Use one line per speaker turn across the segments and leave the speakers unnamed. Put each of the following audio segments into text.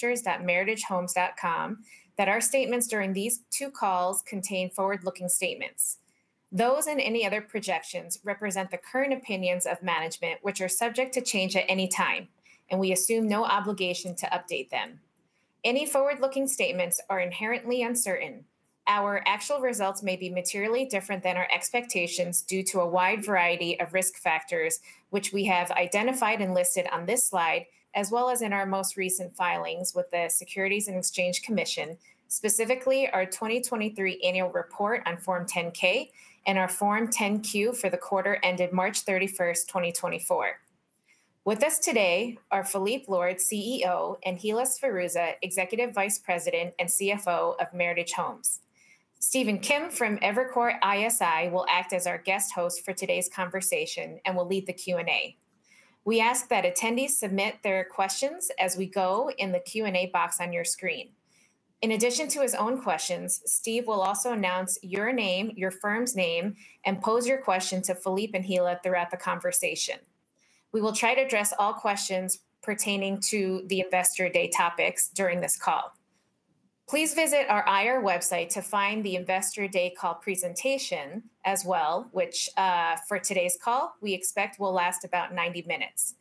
...@meritagehomes.com, that our statements during these two calls contain forward-looking statements. Those and any other projections represent the current opinions of management, which are subject to change at any time, and we assume no obligation to update them. Any forward-looking statements are inherently uncertain. Our actual results may be materially different than our expectations due to a wide variety of risk factors, which we have identified and listed on this slide, as well as in our most recent filings with the Securities and Exchange Commission, specifically our 2023 annual report on Form 10-K and our Form 10-Q for the quarter ended March 31st, 2024. With us today are Philippe Lord, CEO, and Hilla Sferruzza, Executive Vice President and CFO of Meritage Homes. Stephen Kim from Evercore ISI will act as our guest host for today's conversation and will lead the Q&A. We ask that attendees submit their questions as we go in the Q&A box on your screen. In addition to his own questions, Steve will also announce your name, your firm's name, and pose your question to Philippe and Hilla throughout the conversation. We will try to address all questions pertaining to the Investor Day topics during this call. Please visit our IR website to find the Investor Day call presentation as well, which, for today's call, we expect will last about 90 minutes.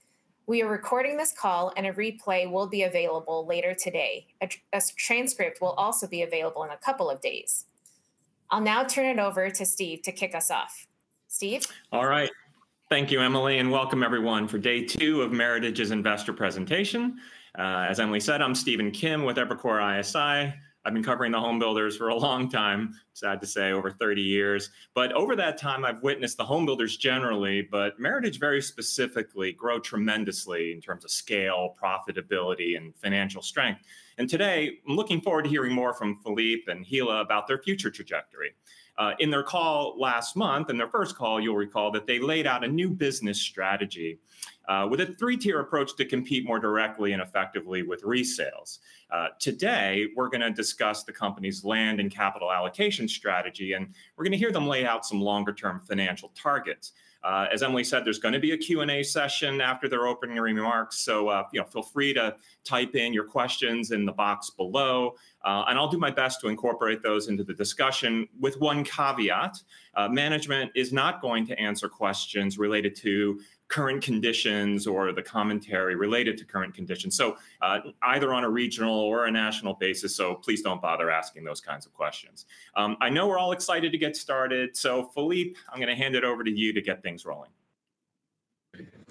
We are recording this call, and a replay will be available later today. A transcript will also be available in a couple of days. I'll now turn it over to Steve to kick us off. Steve?
All right. Thank you, Emily, and welcome everyone for day two of Meritage's Investor Presentation. As Emily said, I'm Stephen Kim with Evercore ISI. I've been covering the home builders for a long time, sad to say, over 30 years. But over that time, I've witnessed the home builders generally, but Meritage very specifically, grow tremendously in terms of scale, profitability, and financial strength. Today, I'm looking forward to hearing more from Philippe and Hilla about their future trajectory. In their call last month, in their first call, you'll recall that they laid out a new business strategy, with a 3-tier approach to compete more directly and effectively with resales. Today, we're gonna discuss the company's land and capital allocation strategy, and we're gonna hear them lay out some longer-term financial targets. As Emily said, there's gonna be a Q&A session after their opening remarks, so, you know, feel free to type in your questions in the box below, and I'll do my best to incorporate those into the discussion with one caveat: management is not going to answer questions related to current conditions or the commentary related to current conditions, so, either on a regional or a national basis, so please don't bother asking those kinds of questions. I know we're all excited to get started, so Philippe, I'm gonna hand it over to you to get things rolling.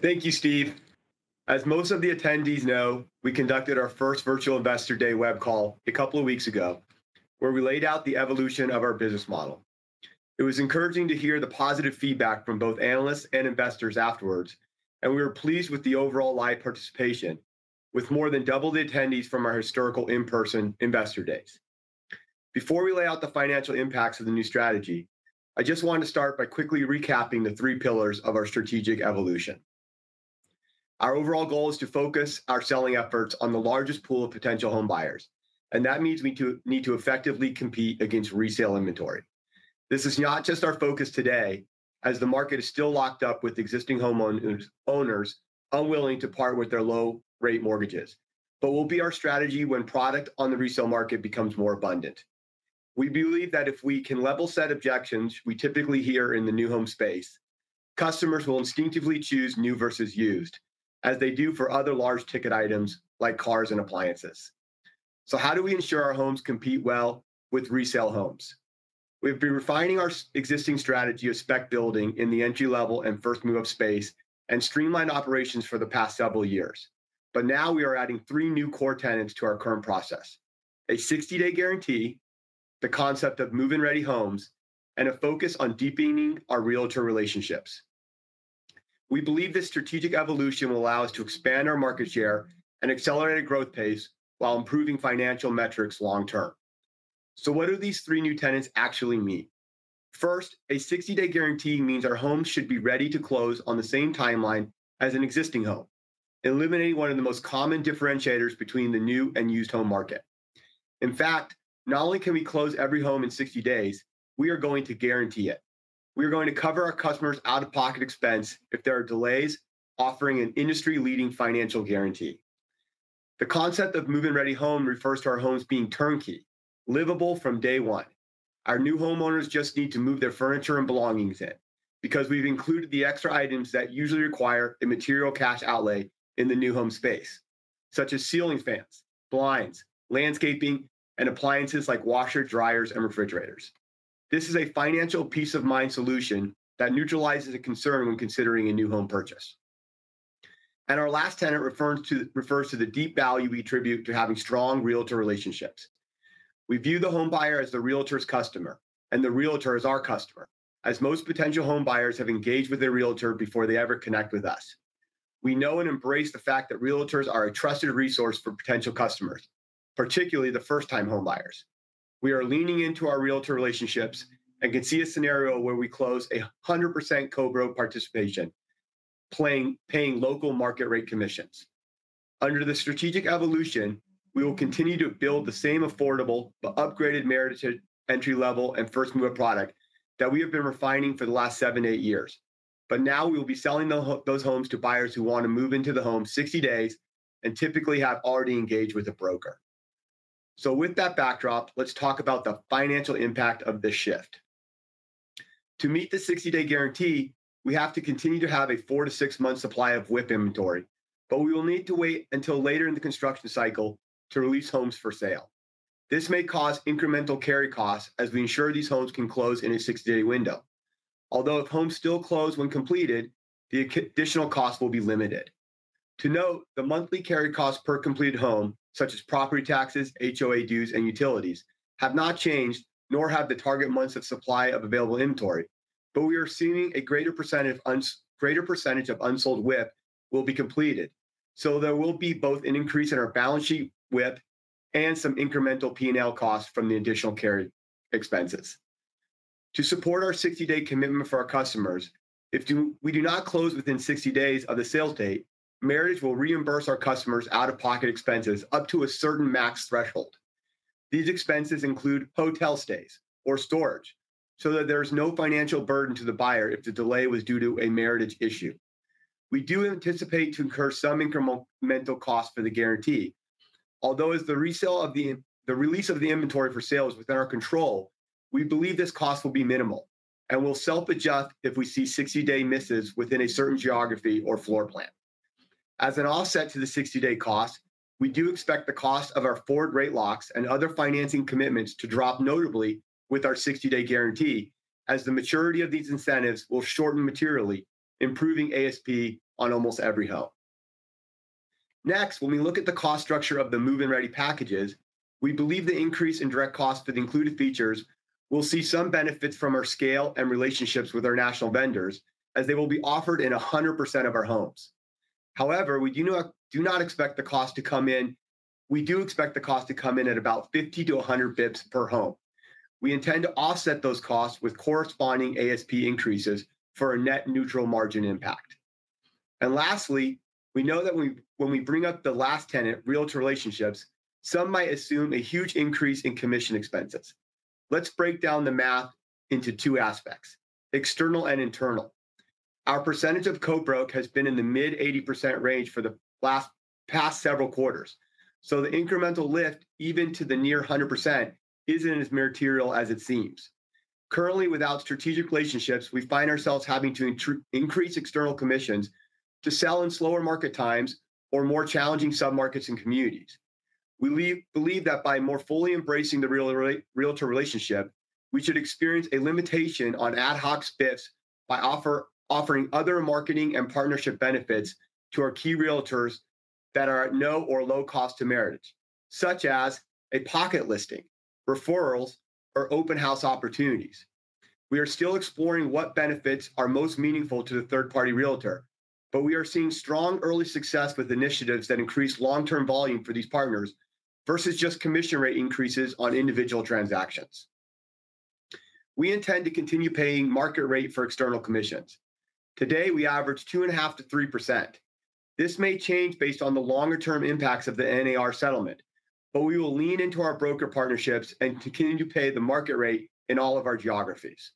Thank you, Steve. As most of the attendees know, we conducted our first virtual Investor Day web call a couple of weeks ago, where we laid out the evolution of our business model. It was encouraging to hear the positive feedback from both analysts and investors afterwards, and we were pleased with the overall live participation, with more than double the attendees from our historical in-person Investor Days. Before we lay out the financial impacts of the new strategy, I just wanted to start by quickly recapping the three pillars of our strategic evolution. Our overall goal is to focus our selling efforts on the largest pool of potential home buyers, and that means we need to effectively compete against resale inventory. This is not just our focus today, as the market is still locked up with existing homeowners unwilling to part with their low-rate mortgages, but will be our strategy when product on the resale market becomes more abundant. We believe that if we can level set objections we typically hear in the new home space, customers will instinctively choose new versus used, as they do for other large ticket items like cars and appliances. So how do we ensure our homes compete well with resale homes? We've been refining our existing strategy of spec building in the entry-level and first move-up space and streamlined operations for the past several years. But now we are adding 3 new core tenants to our current process: a 60-day guarantee, the concept of move-in-ready homes, and a focus on deepening our Realtor relationships. We believe this strategic evolution will allow us to expand our market share and accelerate a growth pace while improving financial metrics long term. So what do these three new tenets actually mean? First, a 60-day guarantee means our homes should be ready to close on the same timeline as an existing home, eliminating one of the most common differentiators between the new and used home market. In fact, not only can we close every home in 60 days, we are going to guarantee it. We are going to cover our customers' out-of-pocket expense if there are delays, offering an industry-leading financial guarantee. The concept of Move-In Ready home refers to our homes being turnkey, livable from day one. Our new homeowners just need to move their furniture and belongings in, because we've included the extra items that usually require a material cash outlay in the new home space, such as ceiling fans, blinds, landscaping, and appliances like washers, dryers, and refrigerators. This is a financial peace-of-mind solution that neutralizes the concern when considering a new home purchase. Our last tenet refers to the deep value we attribute to having strong Realtor relationships. We view the homebuyer as the Realtor's customer, and the Realtor as our customer, as most potential homebuyers have engaged with their Realtor before they ever connect with us. We know and embrace the fact that Realtors are a trusted resource for potential customers, particularly the first-time homebuyers. We are leaning into our Realtor relationships and can see a scenario where we close 100% co-broke participation, paying local market rate commissions. Under the strategic evolution, we will continue to build the same affordable but upgraded Meritage entry-level and first-move product that we have been refining for the last 7-8 years... but now we will be selling those homes to buyers who want to move into the home 60 days, and typically have already engaged with a broker. So with that backdrop, let's talk about the financial impact of this shift. To meet the 60-day guarantee, we have to continue to have a 4- to 6-month supply of WIP inventory, but we will need to wait until later in the construction cycle to release homes for sale. This may cause incremental carry costs as we ensure these homes can close in a 60-day window. Although if homes still close when completed, the additional cost will be limited. To note, the monthly carry cost per completed home, such as property taxes, HOA dues, and utilities, have not changed, nor have the target months of supply of available inventory, but we are seeing a greater percentage of unsold WIP will be completed. So there will be both an increase in our balance sheet WIP and some incremental P&L costs from the additional carry expenses. To support our 60-day commitment for our customers, if we do not close within 60 days of the sales date, Meritage will reimburse our customers out-of-pocket expenses up to a certain max threshold. These expenses include hotel stays or storage, so that there's no financial burden to the buyer if the delay was due to a Meritage issue. We do anticipate to incur some incremental cost for the guarantee. Although, as the release of the inventory for sale is within our control, we believe this cost will be minimal, and will self-adjust if we see 60-day misses within a certain geography or floor plan. As an offset to the 60-day cost, we do expect the cost of our forward rate locks and other financing commitments to drop notably with our 60-day guarantee, as the maturity of these incentives will shorten materially, improving ASP on almost every home. Next, when we look at the cost structure of the Move-In Ready packages, we believe the increase in direct costs for the included features will see some benefits from our scale and relationships with our national vendors, as they will be offered in 100% of our homes. However, we do not expect the cost to come in... We do expect the cost to come in at about 50 to 100 BPS per home. We intend to offset those costs with corresponding ASP increases for a net neutral margin impact. And lastly, we know that when we bring up the last tenet, realtor relationships, some might assume a huge increase in commission expenses. Let's break down the math into two aspects, external and internal. Our percentage of co-broke has been in the mid-80% range for the past several quarters, so the incremental lift, even to the near 100%, isn't as material as it seems. Currently, without strategic relationships, we find ourselves having to increase external commissions to sell in slower market times or more challenging submarkets and communities. We believe that by more fully embracing the realtor relationship, we should experience a limitation on ad hoc BPS by offering other marketing and partnership benefits to our key realtors that are at no or low cost to Meritage, such as a pocket listing, referrals, or open house opportunities. We are still exploring what benefits are most meaningful to the third-party realtor, but we are seeing strong early success with initiatives that increase long-term volume for these partners, versus just commission rate increases on individual transactions. We intend to continue paying market rate for external commissions. Today, we average 2.5%-3%. This may change based on the longer-term impacts of the NAR settlement, but we will lean into our broker partnerships and continue to pay the market rate in all of our geographies.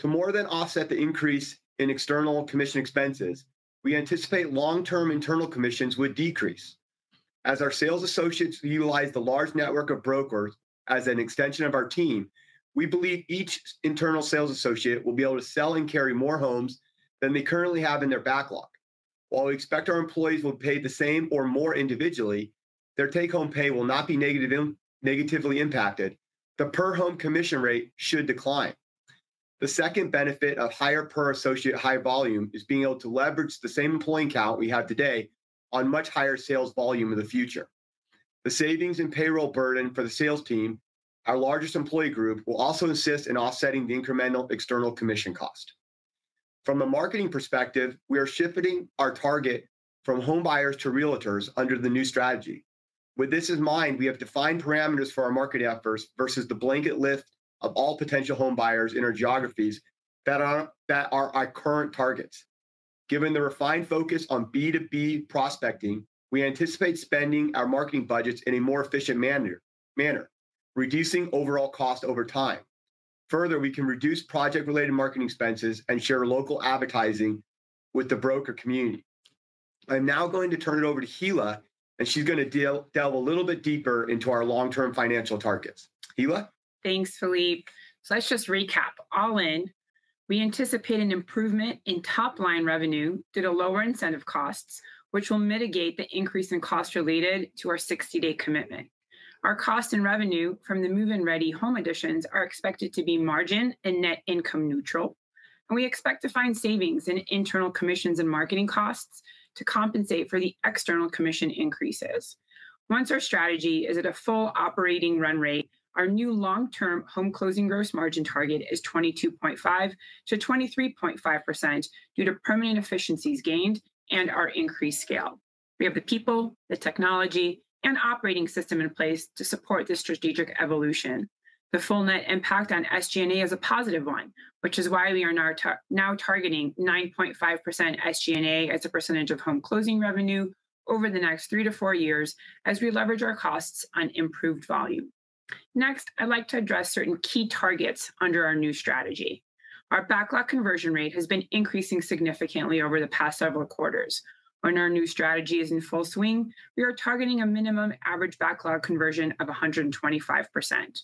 To more than offset the increase in external commission expenses, we anticipate long-term internal commissions would decrease. As our sales associates utilize the large network of brokers as an extension of our team, we believe each internal sales associate will be able to sell and carry more homes than they currently have in their backlog. While we expect our employees will be paid the same or more individually, their take-home pay will not be negatively impacted. The per-home commission rate should decline. The second benefit of higher per-associate high volume is being able to leverage the same employee count we have today on much higher sales volume in the future. The savings and payroll burden for the sales team, our largest employee group, will also assist in offsetting the incremental external commission cost. From a marketing perspective, we are shifting our target from home buyers to realtors under the new strategy. With this in mind, we have defined parameters for our marketing efforts versus the blanket list of all potential home buyers in our geographies that are our current targets. Given the refined focus on B2B prospecting, we anticipate spending our marketing budgets in a more efficient manner, reducing overall cost over time. Further, we can reduce project-related marketing expenses and share local advertising with the broker community. I'm now going to turn it over to Hilla, and she's going to delve a little bit deeper into our long-term financial targets. Hilla?
Thanks, Philippe. So let's just recap. All in, we anticipate an improvement in top-line revenue due to lower incentive costs, which will mitigate the increase in costs related to our 60-day commitment. Our cost and revenue from the move-in-ready home additions are expected to be margin and net income neutral, and we expect to find savings in internal commissions and marketing costs to compensate for the external commission increases. Once our strategy is at a full operating run rate, our new long-term home closing gross margin target is 22.5%-23.5% due to permanent efficiencies gained and our increased scale. We have the people, the technology, and operating system in place to support this strategic evolution. The full net impact on SG&A is a positive one, which is why we are now targeting 9.5% SG&A as a percentage of home closing revenue over the next 3-4 years as we leverage our costs on improved volume. Next, I'd like to address certain key targets under our new strategy. Our backlog conversion rate has been increasing significantly over the past several quarters. When our new strategy is in full swing, we are targeting a minimum average backlog conversion of 125%.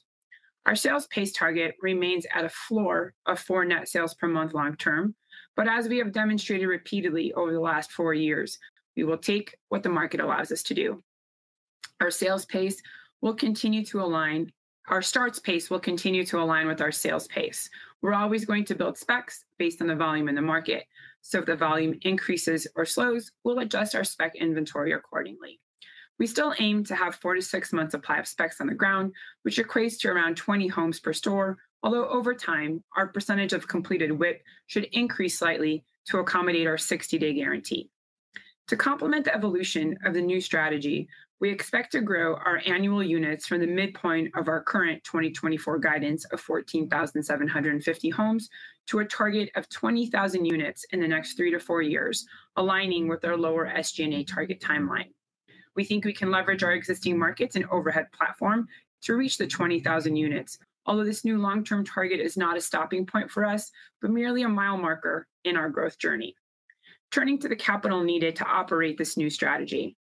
Our sales pace target remains at a floor of 4 net sales per month long term, but as we have demonstrated repeatedly over the last 4 years, we will take what the market allows us to do. Our sales pace will continue to align- our starts pace will continue to align with our sales pace. We're always going to build specs based on the volume in the market, so if the volume increases or slows, we'll adjust our spec inventory accordingly. We still aim to have 4-6 months of supply of specs on the ground, which equates to around 20 homes per store, although over time, our percentage of completed WIP should increase slightly to accommodate our 60-day guarantee. To complement the evolution of the new strategy, we expect to grow our annual units from the midpoint of our current 2024 guidance of 14,750 homes to a target of 20,000 units in the next 3-4 years, aligning with our lower SG&A target timeline. We think we can leverage our existing markets and overhead platform to reach the 20,000 units, although this new long-term target is not a stopping point for us, but merely a mile marker in our growth journey. Turning to the capital needed to operate this new strategy,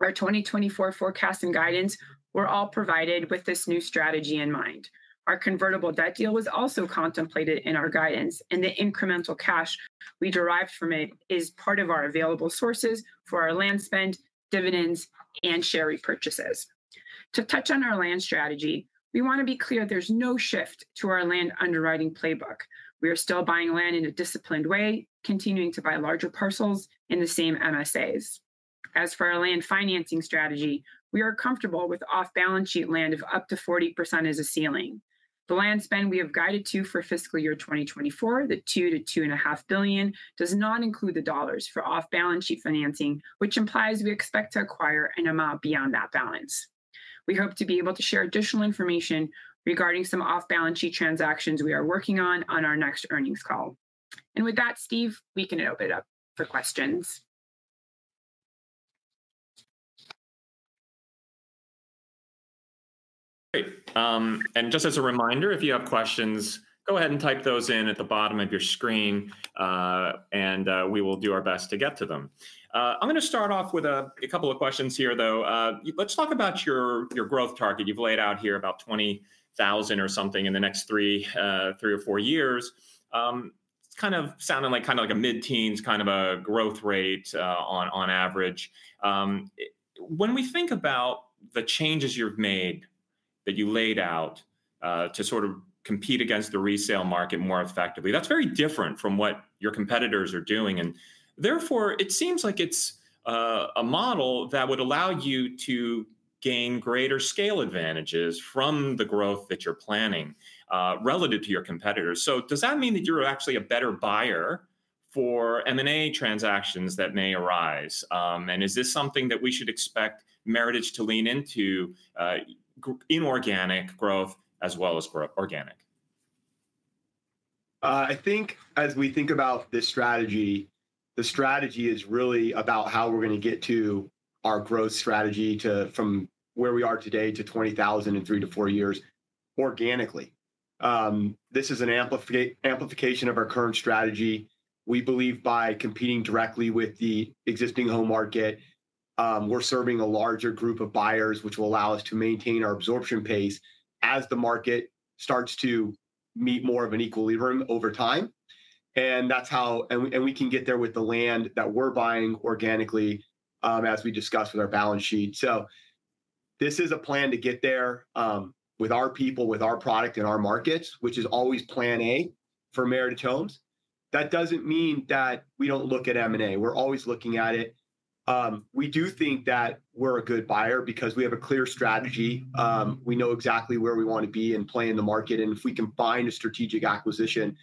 our 2024 forecast and guidance were all provided with this new strategy in mind. Our convertible debt deal was also contemplated in our guidance, and the incremental cash we derived from it is part of our available sources for our land spend, dividends, and share repurchases. To touch on our land strategy, we want to be clear there's no shift to our land underwriting playbook. We are still buying land in a disciplined way, continuing to buy larger parcels in the same MSAs. As for our land financing strategy, we are comfortable with off-balance-sheet land of up to 40% as a ceiling. The land spend we have guided to for fiscal year 2024, the $2 billion-$2.5 billion, does not include the dollars for off-balance-sheet financing, which implies we expect to acquire an amount beyond that balance. We hope to be able to share additional information regarding some off-balance-sheet transactions we are working on, on our next earnings call. And with that, Steve, we can open it up for questions.
Great. And just as a reminder, if you have questions, go ahead and type those in at the bottom of your screen, and we will do our best to get to them. I'm gonna start off with a couple of questions here, though. Let's talk about your growth target. You've laid out here about 20,000 or something in the next three or four years. It's kind of sounding like, kind of like a mid-teens kind of a growth rate, on average. When we think about the changes you've made, that you laid out, to sort of compete against the resale market more effectively, that's very different from what your competitors are doing, and therefore, it seems like it's a model that would allow you to gain greater scale advantages from the growth that you're planning, relative to your competitors. So does that mean that you're actually a better buyer for M&A transactions that may arise? And is this something that we should expect Meritage to lean into, inorganic growth as well as for organic?
I think as we think about this strategy, the strategy is really about how we're gonna get to our growth strategy to, from where we are today to 20,000 in 3 to 4 years organically. This is an amplification of our current strategy. We believe, by competing directly with the existing home market, we're serving a larger group of buyers, which will allow us to maintain our absorption pace as the market starts to meet more of an equilibrium over time. And that's how we can get there with the land that we're buying organically, as we discussed with our balance sheet. So this is a plan to get there, with our people, with our product, and our markets, which is always plan A for Meritage Homes. That doesn't mean that we don't look at M&A. We're always looking at it. We do think that we're a good buyer because we have a clear strategy. We know exactly where we want to be and play in the market, and if we can find a strategic acquisition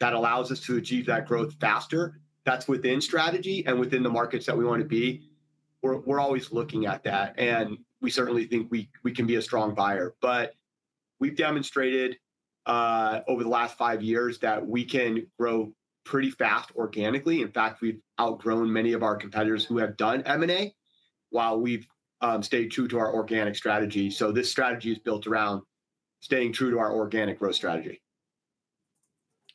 that allows us to achieve that growth faster, that's within strategy and within the markets that we want to be, we're, we're always looking at that, and we certainly think we, we can be a strong buyer. But we've demonstrated over the last five years that we can grow pretty fast organically. In fact, we've outgrown many of our competitors who have done M&A while we've stayed true to our organic strategy. So this strategy is built around staying true to our organic growth strategy.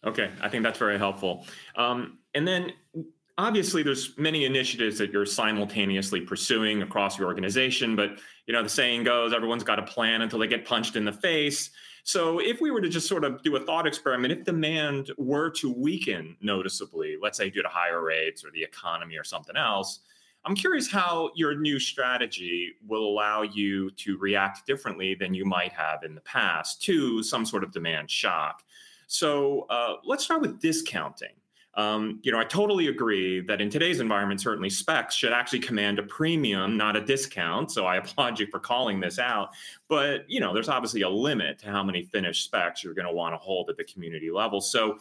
Okay, I think that's very helpful. And then obviously, there's many initiatives that you're simultaneously pursuing across your organization, but, you know, the saying goes, "Everyone's got a plan until they get punched in the face." So if we were to just sort of do a thought experiment, if demand were to weaken noticeably, let's say due to higher rates or the economy or something else, I'm curious how your new strategy will allow you to react differently than you might have in the past to some sort of demand shock. So, let's start with discounting. You know, I totally agree that in today's environment, certainly specs should actually command a premium, not a discount, so I applaud you for calling this out. But, you know, there's obviously a limit to how many finished specs you're gonna want to hold at the community level. So,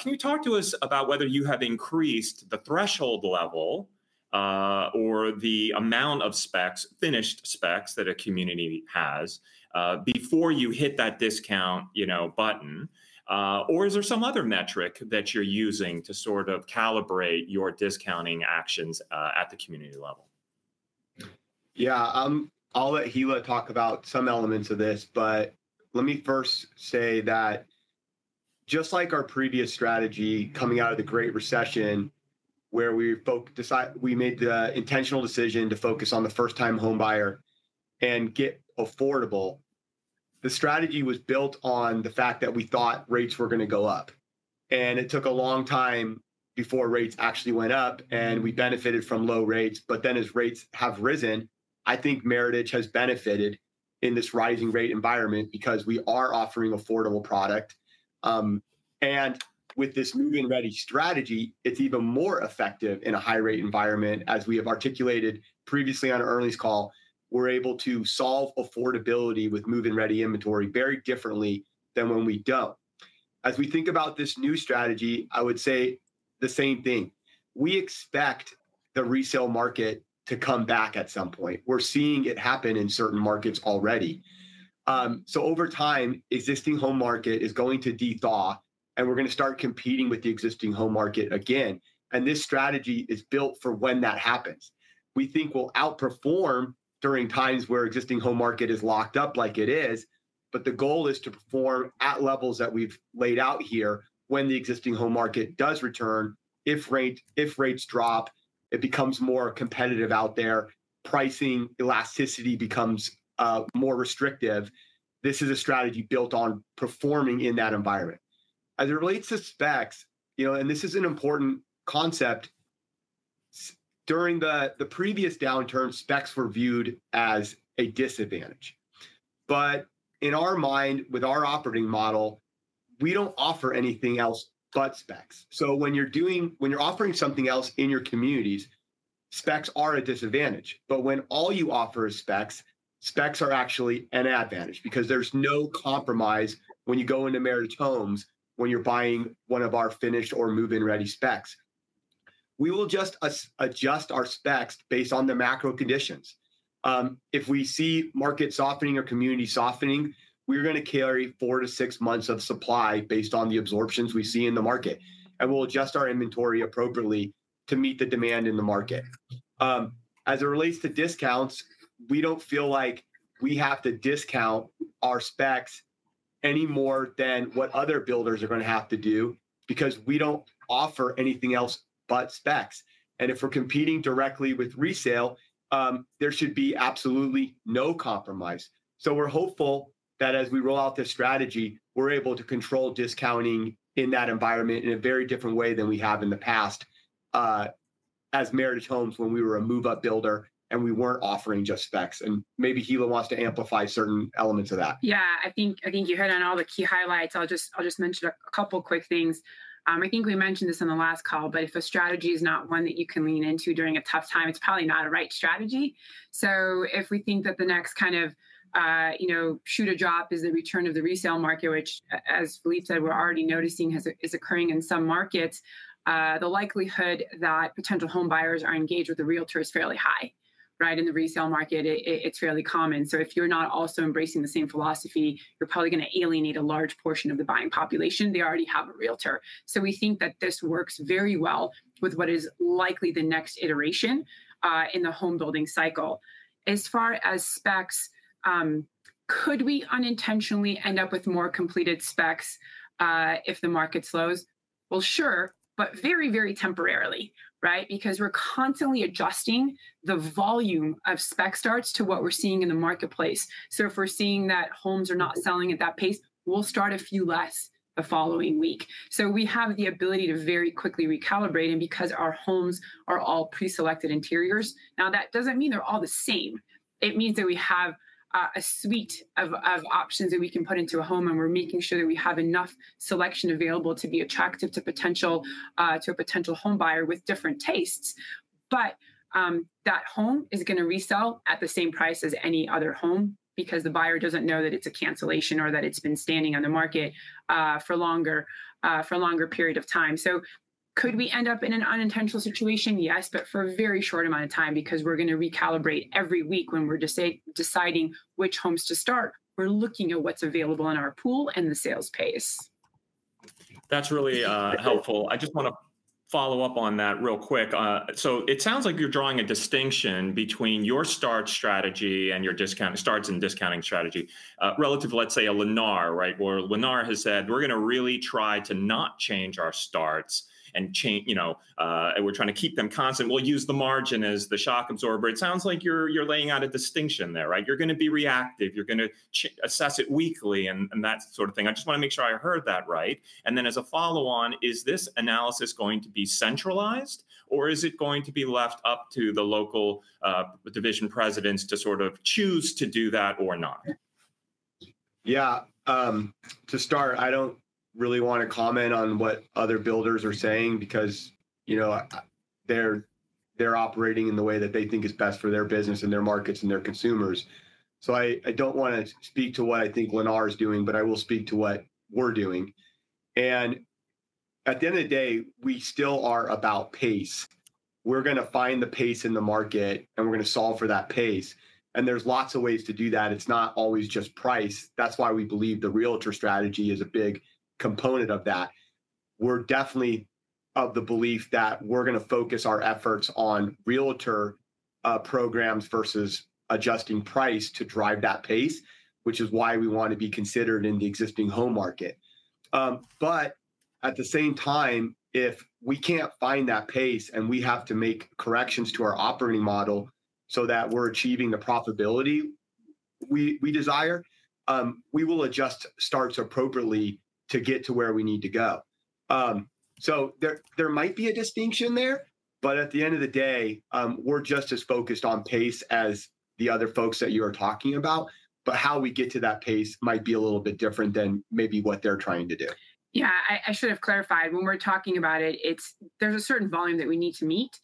can you talk to us about whether you have increased the threshold level, or the amount of specs, finished specs, that a community has, before you hit that discount, you know, button? Or is there some other metric that you're using to sort of calibrate your discounting actions, at the community level?...
Yeah, I'll let Hilla talk about some elements of this, but let me first say that just like our previous strategy coming out of the Great Recession, where we made the intentional decision to focus on the first-time home buyer and get affordable, the strategy was built on the fact that we thought rates were gonna go up. It took a long time before rates actually went up, and we benefited from low rates, but then as rates have risen, I think Meritage has benefited in this rising rate environment because we are offering affordable product. With this move-in-ready strategy, it's even more effective in a high-rate environment, as we have articulated previously on Earl's call, we're able to solve affordability with move-in-ready inventory very differently than when we don't. As we think about this new strategy, I would say the same thing. We expect the resale market to come back at some point. We're seeing it happen in certain markets already. Over time, existing home market is going to dethaw, and we're gonna start competing with the existing home market again, and this strategy is built for when that happens. We think we'll outperform during times where existing home market is locked up like it is, but the goal is to perform at levels that we've laid out here when the existing home market does return, if rate... If rates drop, it becomes more competitive out there, pricing elasticity becomes more restrictive. This is a strategy built on performing in that environment. As it relates to specs, you know, and this is an important concept during the previous downturn, specs were viewed as a disadvantage. But in our mind, with our operating model, we don't offer anything else but specs. So when you're offering something else in your communities, specs are a disadvantage, but when all you offer is specs, specs are actually an advantage because there's no compromise when you go into Meritage Homes, when you're buying one of our finished or move-in-ready specs. We will adjust our specs based on the macro conditions. If we see market softening or community softening, we're gonna carry four to six months of supply based on the absorptions we see in the market, and we'll adjust our inventory appropriately to meet the demand in the market. As it relates to discounts, we don't feel like we have to discount our specs any more than what other builders are gonna have to do because we don't offer anything else but specs, and if we're competing directly with resale, there should be absolutely no compromise. So we're hopeful that as we roll out this strategy, we're able to control discounting in that environment in a very different way than we have in the past, as Meritage Homes, when we were a move-up builder, and we weren't offering just specs, and maybe Hilla wants to amplify certain elements of that.
Yeah, I think, I think you hit on all the key highlights. I'll just, I'll just mention a couple quick things. I think we mentioned this on the last call, but if a strategy is not one that you can lean into during a tough time, it's probably not a right strategy. So if we think that the next kind of, you know, shoe to drop is the return of the resale market, which as Philippe said, we're already noticing has is occurring in some markets, the likelihood that potential home buyers are engaged with a realtor is fairly high. Right? In the resale market, it, it's fairly common. So if you're not also embracing the same philosophy, you're probably gonna alienate a large portion of the buying population. They already have a realtor. So we think that this works very well with what is likely the next iteration in the home building cycle. As far as specs, could we unintentionally end up with more completed specs if the market slows? Well, sure, but very, very temporarily, right? Because we're constantly adjusting the volume of spec starts to what we're seeing in the marketplace. So if we're seeing that homes are not selling at that pace, we'll start a few less the following week. So we have the ability to very quickly recalibrate, and because our homes are all pre-selected interiors. Now, that doesn't mean they're all the same. It means that we have a suite of options that we can put into a home, and we're making sure that we have enough selection available to be attractive to a potential home buyer with different tastes. But that home is gonna resell at the same price as any other home because the buyer doesn't know that it's a cancellation or that it's been standing on the market, for longer, for a longer period of time. So could we end up in an unintentional situation? Yes, but for a very short amount of time, because we're gonna recalibrate every week when we're deciding which homes to start. We're looking at what's available in our pool and the sales pace.
That's really helpful. I just wanna follow up on that real quick. So it sounds like you're drawing a distinction between your start strategy and your discount-starts and discounting strategy, relative to, let's say, a Lennar, right? Where Lennar has said, "We're gonna really try to not change our starts and you know, and we're trying to keep them constant. We'll use the margin as the shock absorber." It sounds like you're laying out a distinction there, right? You're gonna be reactive, you're gonna assess it weekly, and that sort of thing. I just wanna make sure I heard that right. And then as a follow-on, is this analysis going to be centralized, or is it going to be left up to the local division presidents to sort of choose to do that or not?
Yeah, to start, I don't really wanna comment on what other builders are saying because, you know, they're operating in the way that they think is best for their business and their markets and their consumers. So I don't wanna speak to what I think Lennar is doing, but I will speak to what we're doing. And at the end of the day, we still are about pace. We're gonna find the pace in the market, and we're gonna solve for that pace, and there's lots of ways to do that. It's not always just price. That's why we believe the realtor strategy is a big component of that. We're definitely of the belief that we're gonna focus our efforts on realtor programs versus adjusting price to drive that pace, which is why we want to be considered in the existing home market. But at the same time, if we can't find that pace, and we have to make corrections to our operating model so that we're achieving the profitability we desire, we will adjust starts appropriately to get to where we need to go. So there might be a distinction there, but at the end of the day, we're just as focused on pace as the other folks that you are talking about, but how we get to that pace might be a little bit different than maybe what they're trying to do.
Yeah, I should have clarified. When we're talking about it, it's—there's a certain volume that we need to meet,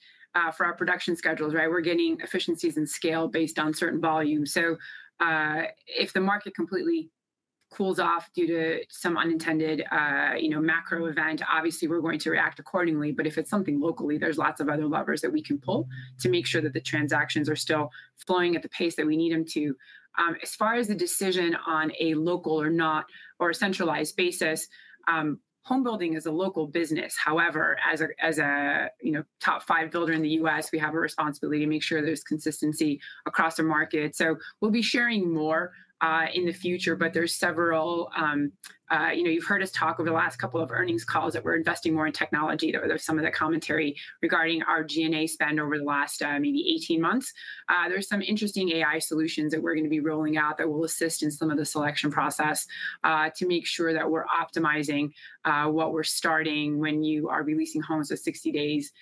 for our production schedules, right? We're getting efficiencies in scale based on certain volumes. So, if the market completely cools off due to some unintended, you know, macro event, obviously we're going to react accordingly, but if it's something locally, there's lots of other levers that we can pull to make sure that the transactions are still flowing at the pace that we need them to. As far as the decision on a local or not, or a centralized basis, home building is a local business. However, as a, you know, top five builder in the U.S., we have a responsibility to make sure there's consistency across the market. So we'll be sharing more in the future, but there's several. You know, you've heard us talk over the last couple of earnings calls that we're investing more in technology. There's some of the commentary regarding our SG&A spend over the last, maybe 18 months. There's some interesting AI solutions that we're gonna be rolling out that will assist in some of the selection process to make sure that we're optimizing what we're starting. When you are releasing homes with 60 days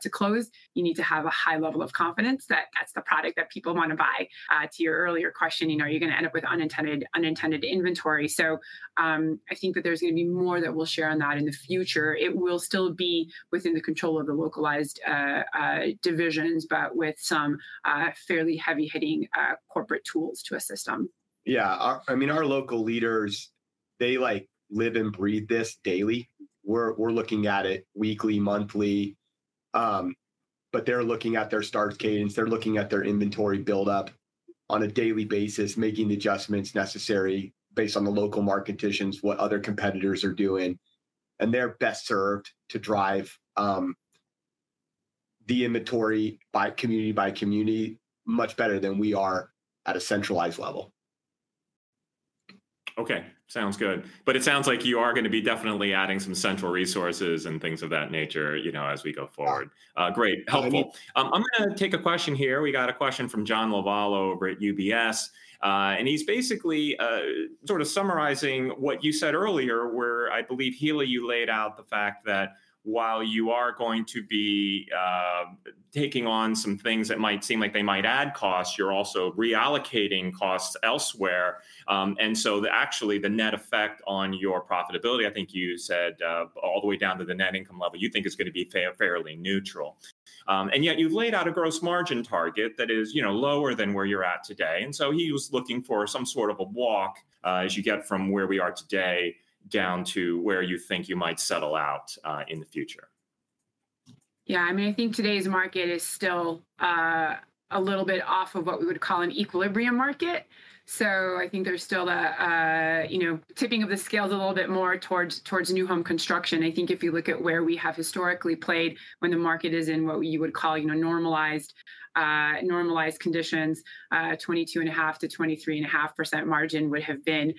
to close, you need to have a high level of confidence that that's the product that people want to buy. To your earlier questioning, are you gonna end up with unintended inventory? So, I think that there's gonna be more that we'll share on that in the future. It will still be within the control of the localized divisions, but with some fairly heavy-hitting corporate tools to assist them.
Yeah. Our... I mean, our local leaders, they, like, live and breathe this daily. We're, we're looking at it weekly, monthly, but they're looking at their starts cadence, they're looking at their inventory buildup on a daily basis, making the adjustments necessary based on the local market conditions, what other competitors are doing, and they're best served to drive the inventory by community by community much better than we are at a centralized level.
Okay, sounds good. But it sounds like you are gonna be definitely adding some central resources and things of that nature, you know, as we go forward.
Yeah.
Great, helpful.
Absolutely.
I'm gonna take a question here. We got a question from John Lovallo over at UBS, and he's basically, sort of summarizing what you said earlier, where I believe, Hilla, you laid out the fact that while you are going to be, taking on some things that might seem like they might add costs, you're also reallocating costs elsewhere. And so the, actually, the net effect on your profitability, I think you said, all the way down to the net income level, you think it's gonna be fairly neutral. And yet you've laid out a gross margin target that is, you know, lower than where you're at today, and so he was looking for some sort of a walk, as you get from where we are today, down to where you think you might settle out, in the future.
Yeah, I mean, I think today's market is still a little bit off of what we would call an equilibrium market. So I think there's still a, you know, tipping of the scales a little bit more towards new home construction. I think if you look at where we have historically played when the market is in what you would call, you know, normalized conditions, 22.5%-23.5% margin would have been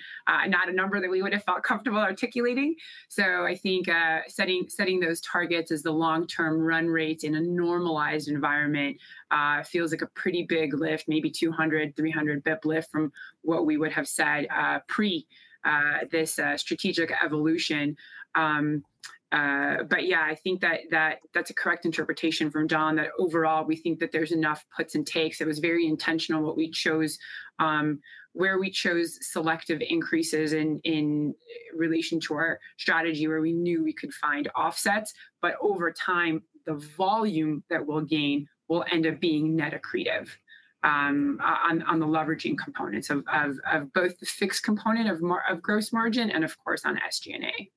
not a number that we would have felt comfortable articulating. So I think setting those targets as the long-term run rates in a normalized environment feels like a pretty big lift, maybe 200-300 basis points lift from what we would have said pre this strategic evolution. But yeah, I think that, that... That's a correct interpretation from John, that overall we think that there's enough puts and takes. It was very intentional what we chose, where we chose selective increases in, in relation to our strategy, where we knew we could find offsets, but over time, the volume that we'll gain will end up being net accretive, on the leveraging components of both the fixed component of gross margin, and of course, on SG&A.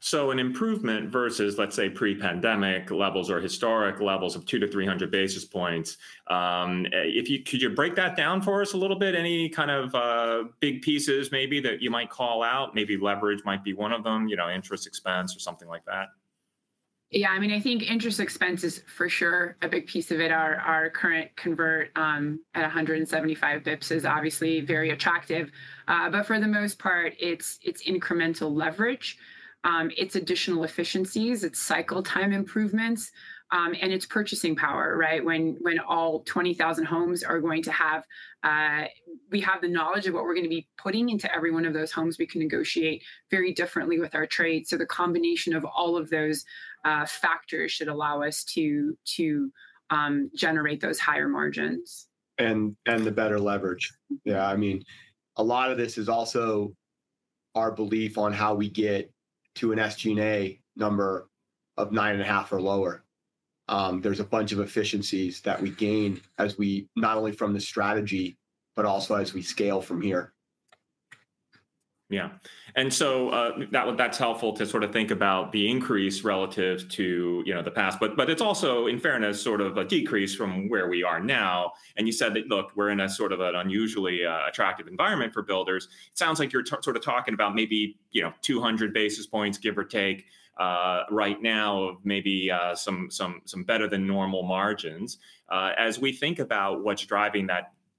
So an improvement versus, let's say, pre-pandemic levels or historic levels of 200-300 basis points. Could you break that down for us a little bit? Any kind of big pieces maybe that you might call out, maybe leverage might be one of them, you know, interest expense or something like that?
Yeah, I mean, I think interest expense is, for sure, a big piece of it. Our current convert at 175 basis points is obviously very attractive. But for the most part, it's incremental leverage, it's additional efficiencies, it's cycle time improvements, and it's purchasing power, right? When all 20,000 homes are going to have, we have the knowledge of what we're gonna be putting into every one of those homes, we can negotiate very differently with our trade. So the combination of all of those factors should allow us to generate those higher margins.
And the better leverage. Yeah, I mean, a lot of this is also our belief on how we get to an SG&A number of 9.5 or lower. There's a bunch of efficiencies that we gain as we, not only from the strategy, but also as we scale from here. ...
Yeah, and so, that’s helpful to sort of think about the increase relative to, you know, the past. But it’s also, in fairness, sort of a decrease from where we are now, and you said that, “Look, we’re in a sort of an unusually attractive environment for builders.” It sounds like you’re sort of talking about maybe, you know, 200 basis points, give or take, right now, maybe some better than normal margins. As we think about what’s driving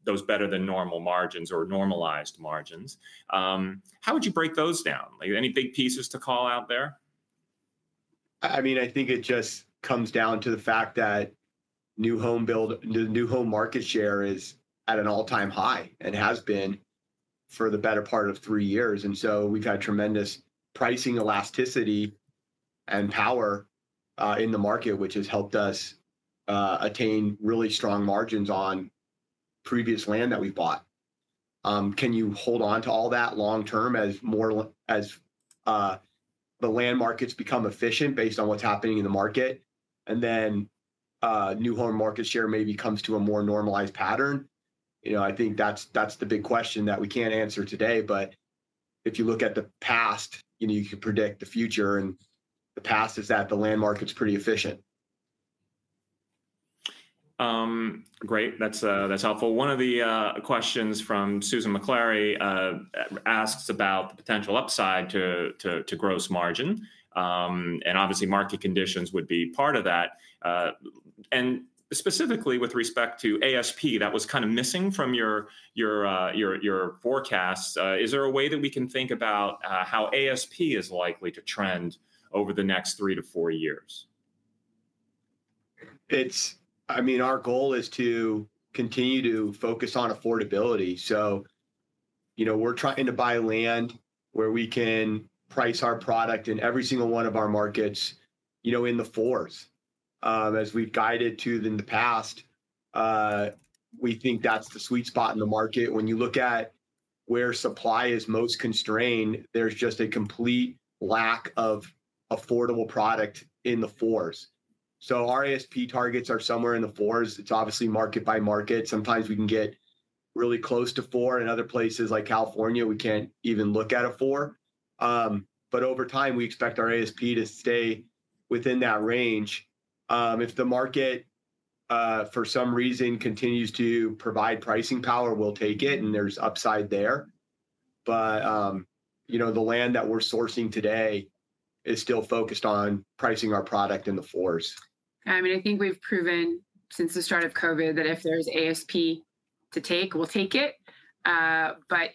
those better than normal margins or normalized margins, how would you break those down? Are there any big pieces to call out there?
I mean, I think it just comes down to the fact that new home market share is at an all-time high, and has been for the better part of three years, and so we've had tremendous pricing elasticity and power in the market, which has helped us attain really strong margins on previous land that we've bought. Can you hold on to all that long term as the land markets become efficient based on what's happening in the market, and then new home market share maybe comes to a more normalized pattern? You know, I think that's the big question that we can't answer today, but if you look at the past, you know, you can predict the future, and the past is at the land market's pretty efficient.
Great. That's helpful. One of the questions from Susan Maklari asks about the potential upside to gross margin. And obviously, market conditions would be part of that. And specifically with respect to ASP, that was kind of missing from your forecast. Is there a way that we can think about how ASP is likely to trend over the next 3-4 years?
I mean, our goal is to continue to focus on affordability, so, you know, we're trying to buy land where we can price our product in every single one of our markets, you know, in the fours. As we've guided to in the past, we think that's the sweet spot in the market. When you look at where supply is most constrained, there's just a complete lack of affordable product in the fours. So our ASP targets are somewhere in the fours. It's obviously market by market. Sometimes we can get really close to four. In other places, like California, we can't even look at a four. But over time, we expect our ASP to stay within that range. If the market, for some reason, continues to provide pricing power, we'll take it, and there's upside there. You know, the land that we're sourcing today is still focused on pricing our product in the fours.
I mean, I think we've proven since the start of COVID that if there's ASP to take, we'll take it. But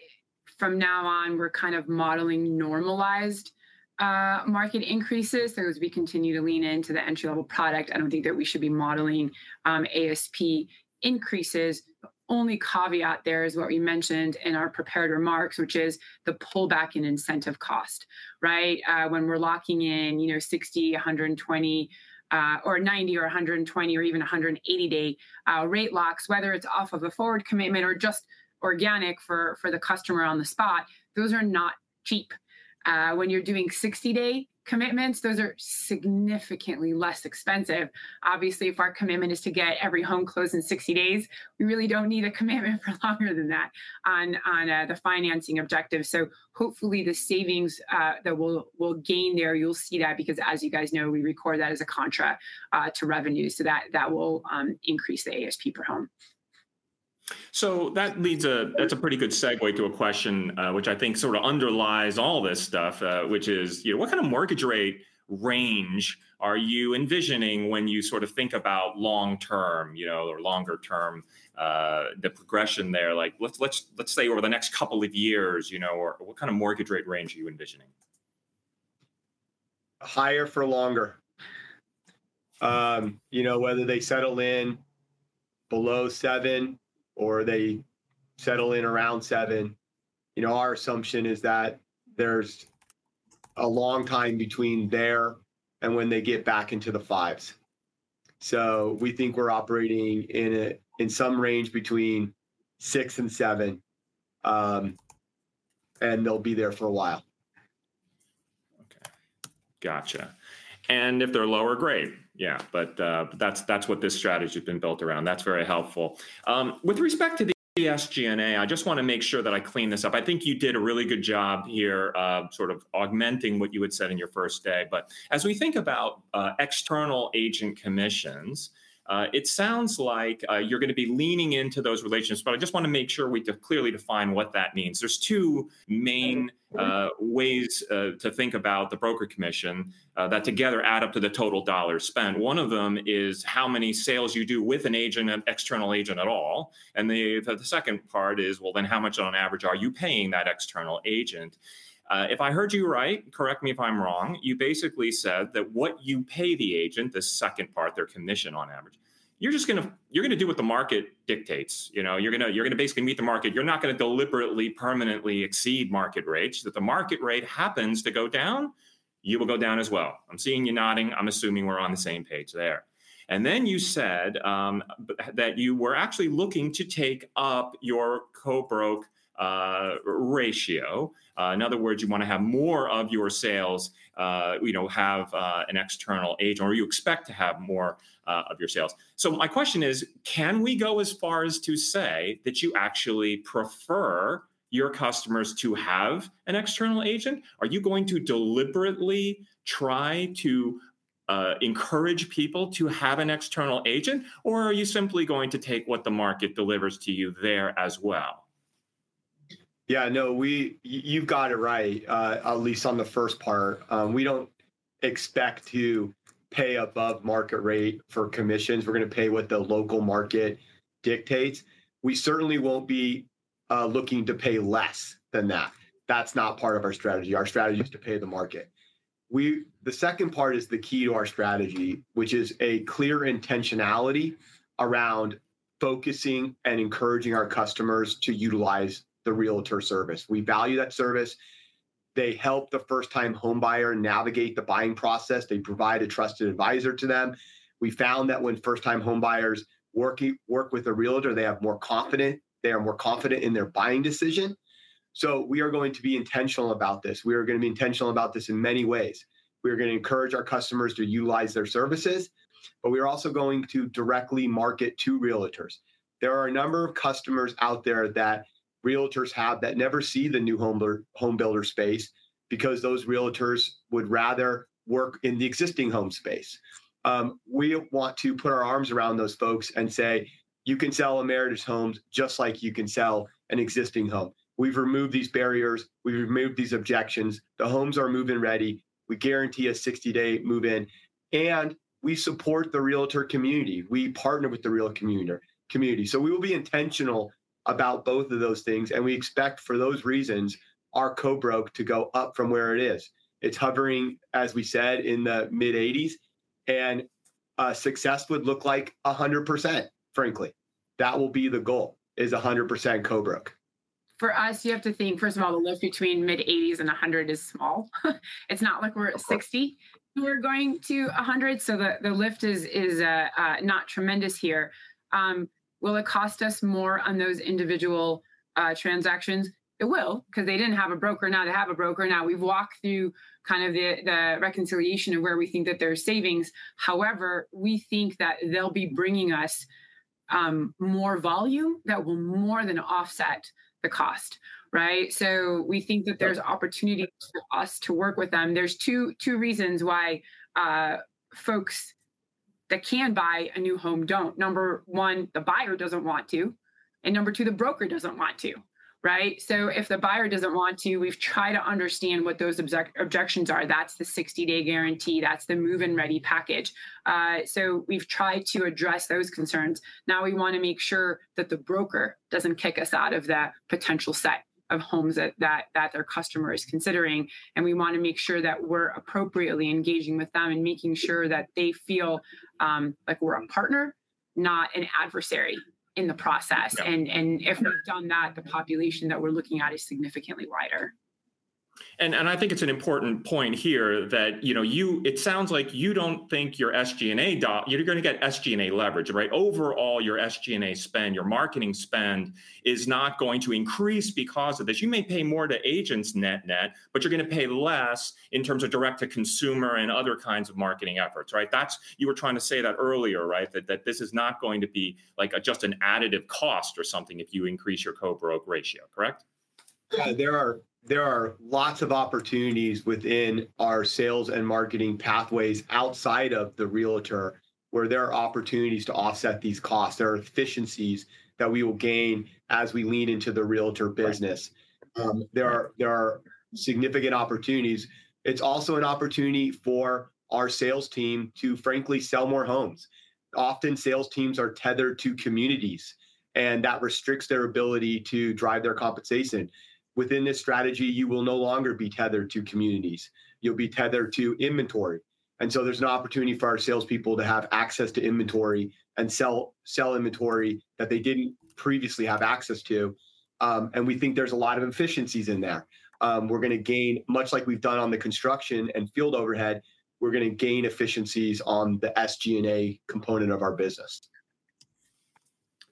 from now on, we're kind of modeling normalized market increases. So as we continue to lean into the entry-level product, I don't think that we should be modeling ASP increases. Only caveat there is what we mentioned in our prepared remarks, which is the pullback in incentive cost, right? When we're locking in, you know, 60, 120, or 90 or 120 or even 180-day rate locks, whether it's off of a forward commitment or just organic for the customer on the spot, those are not cheap. When you're doing 60-day commitments, those are significantly less expensive. Obviously, if our commitment is to get every home closed in 60 days, we really don't need a commitment for longer than that on the financing objective. So hopefully, the savings that we'll gain there, you'll see that because as you guys know, we record that as a contra to revenue, so that will increase the ASP per home.
So that leads. That's a pretty good segue to a question, which I think sort of underlies all this stuff, which is, you know, what kind of mortgage rate range are you envisioning when you sort of think about long-term, you know, or longer term, the progression there? Like, let's say over the next couple of years, you know, or what kind of mortgage rate range are you envisioning?
Higher for longer. You know, whether they settle in below 7 or they settle in around 7, you know, our assumption is that there's a long time between there and when they get back into the 5s. So we think we're operating in some range between 6 and 7, and they'll be there for a while.
Okay. Gotcha. And if they're lower grade, yeah, but, that's, that's what this strategy's been built around. That's very helpful. With respect to the SG&A, I just wanna make sure that I clean this up. I think you did a really good job here, sort of augmenting what you had said in your first day. But as we think about, external agent commissions, it sounds like, you're gonna be leaning into those relations, but I just wanna make sure we clearly define what that means. There's two main, ways, to think about the broker commission, that together add up to the total dollar spent. One of them is how many sales you do with an agent, an external agent at all, and the second part is, well, then how much on average are you paying that external agent? If I heard you right, correct me if I'm wrong, you basically said that what you pay the agent, the second part, their commission on average, you're just gonna, you're gonna do what the market dictates, you know? You're gonna, you're gonna basically meet the market. You're not gonna deliberately, permanently exceed market rates. If the market rate happens to go down, you will go down as well. I'm seeing you nodding. I'm assuming we're on the same page there. And then, you said that you were actually looking to take up your co-broke ratio. In other words, you wanna have more of your sales, you know, have an external agent, or you expect to have more of your sales. So my question is, can we go as far as to say that you actually prefer your customers to have an external agent? Are you going to deliberately try to encourage people to have an external agent, or are you simply going to take what the market delivers to you there as well?
Yeah, no, you've got it right, at least on the first part. We don't expect to pay above market rate for commissions. We're gonna pay what the local market dictates. We certainly won't be looking to pay less than that. That's not part of our strategy. Our strategy is to pay the market. The second part is the key to our strategy, which is a clear intentionality around focusing and encouraging our customers to utilize the realtor service. We value that service. They help the first-time homebuyer navigate the buying process. They provide a trusted advisor to them. We found that when first-time homebuyers work with a realtor, they are more confident in their buying decision. So we are going to be intentional about this. We are gonna be intentional about this in many ways. We are gonna encourage our customers to utilize their services, but we are also going to directly market to realtors. There are a number of customers out there that realtors have that never see the new homebuilder space because those realtors would rather work in the existing home space. We want to put our arms around those folks and say, "You can sell Meritage homes just like you can sell an existing home." We've removed these barriers. We've removed these objections. The homes are move-in ready. We guarantee a 60-day move-in, and we support the realtor community. We partner with the realtor community. So we will be intentional about both of those things, and we expect, for those reasons, our co-broke to go up from where it is. It's hovering, as we said, in the mid-80s%, and success would look like 100%, frankly. That will be the goal, is 100% co-broke.
For us, you have to think, first of all, the lift between mid-80s and 100 is small. It's not like we're at 60-
Of course...
and we're going to 100, so the lift is not tremendous here. Will it cost us more on those individual transactions? It will, 'cause they didn't have a broker, now they have a broker. Now, we've walked through kind of the reconciliation of where we think that there are savings, however, we think that they'll be bringing us more volume that will more than offset the cost, right? So we think that-
Right...
there's opportunity for us to work with them. There's two reasons why folks that can buy a new home don't. Number one, the buyer doesn't want to, and number two, the broker doesn't want to, right? So if the buyer doesn't want to, we've tried to understand what those objections are. That's the 60-day guarantee, that's the Move-In Ready package. So we've tried to address those concerns. Now, we wanna make sure that the broker doesn't kick us out of that potential set of homes that their customer is considering, and we wanna make sure that we're appropriately engaging with them and making sure that they feel like we're a partner, not an adversary in the process.
Yeah.
And if we've done that, the population that we're looking at is significantly wider.
I think it's an important point here that, you know, you... It sounds like you don't think your SG&A down—you're gonna get SG&A leverage, right? Overall, your SG&A spend, your marketing spend, is not going to increase because of this. You may pay more to agents net-net, but you're gonna pay less in terms of direct-to-consumer and other kinds of marketing efforts, right? That's... You were trying to say that earlier, right? That this is not going to be like just an additive cost or something if you increase your co-broke ratio, correct?
Yeah, there are lots of opportunities within our sales and marketing pathways outside of the realtor, where there are opportunities to offset these costs. There are efficiencies that we will gain as we lean into the realtor business.
Right.
There are-
Yeah...
there are significant opportunities. It's also an opportunity for our sales team to, frankly, sell more homes. Often, sales teams are tethered to communities, and that restricts their ability to drive their compensation. Within this strategy, you will no longer be tethered to communities. You'll be tethered to inventory, and so there's an opportunity for our salespeople to have access to inventory and sell, sell inventory that they didn't previously have access to. And we think there's a lot of efficiencies in there. We're gonna gain, much like we've done on the construction and field overhead, we're gonna gain efficiencies on the SG&A component of our business.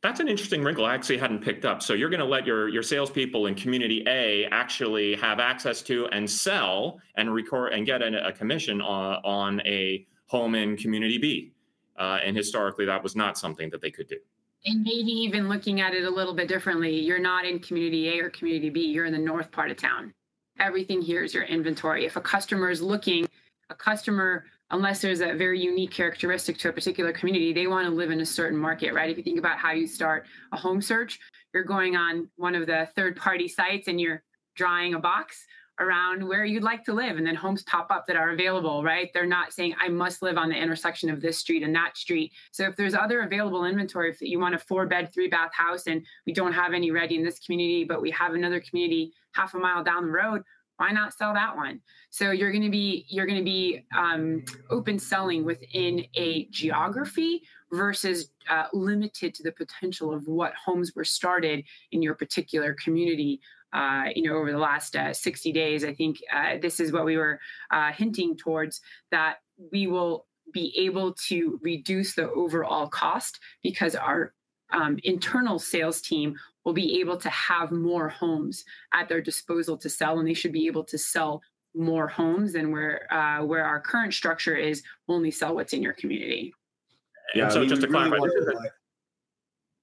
That's an interesting wrinkle I actually hadn't picked up. So you're gonna let your salespeople in Community A actually have access to and sell and record, and get a commission on a home in Community B? And historically, that was not something that they could do.
Maybe even looking at it a little bit differently, you're not in Community A or Community B, you're in the north part of town. Everything here is your inventory. If a customer is looking, a customer, unless there's a very unique characteristic to a particular community, they wanna live in a certain market, right? If you think about how you start a home search, you're going on one of the third-party sites, and you're drawing a box around where you'd like to live, and then homes pop up that are available, right? They're not saying, "I must live on the intersection of this street and that street." So if there's other available inventory, if you want a 4-bed, 3-bath house and we don't have any ready in this community, but we have another community half a mile down the road, why not sell that one? So you're gonna be open selling within a geography versus limited to the potential of what homes were started in your particular community. You know, over the last 60 days, I think, this is what we were hinting towards, that we will be able to reduce the overall cost because our internal sales team will be able to have more homes at their disposal to sell, and they should be able to sell more homes than where our current structure is, we only sell what's in your community.
Yeah, so just to clarify-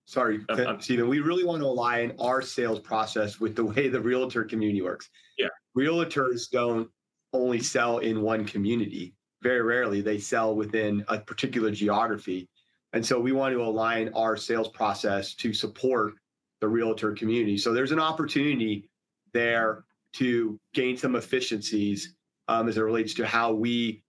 Sorry, Stephen, we really want to align our sales process with the way the realtor community works.
Yeah.
Realtors don't only sell in one community. Very rarely, they sell within a particular geography, and so we want to align our sales process to support the Realtor community. So there's an opportunity there to gain some efficiencies, as it relates to how we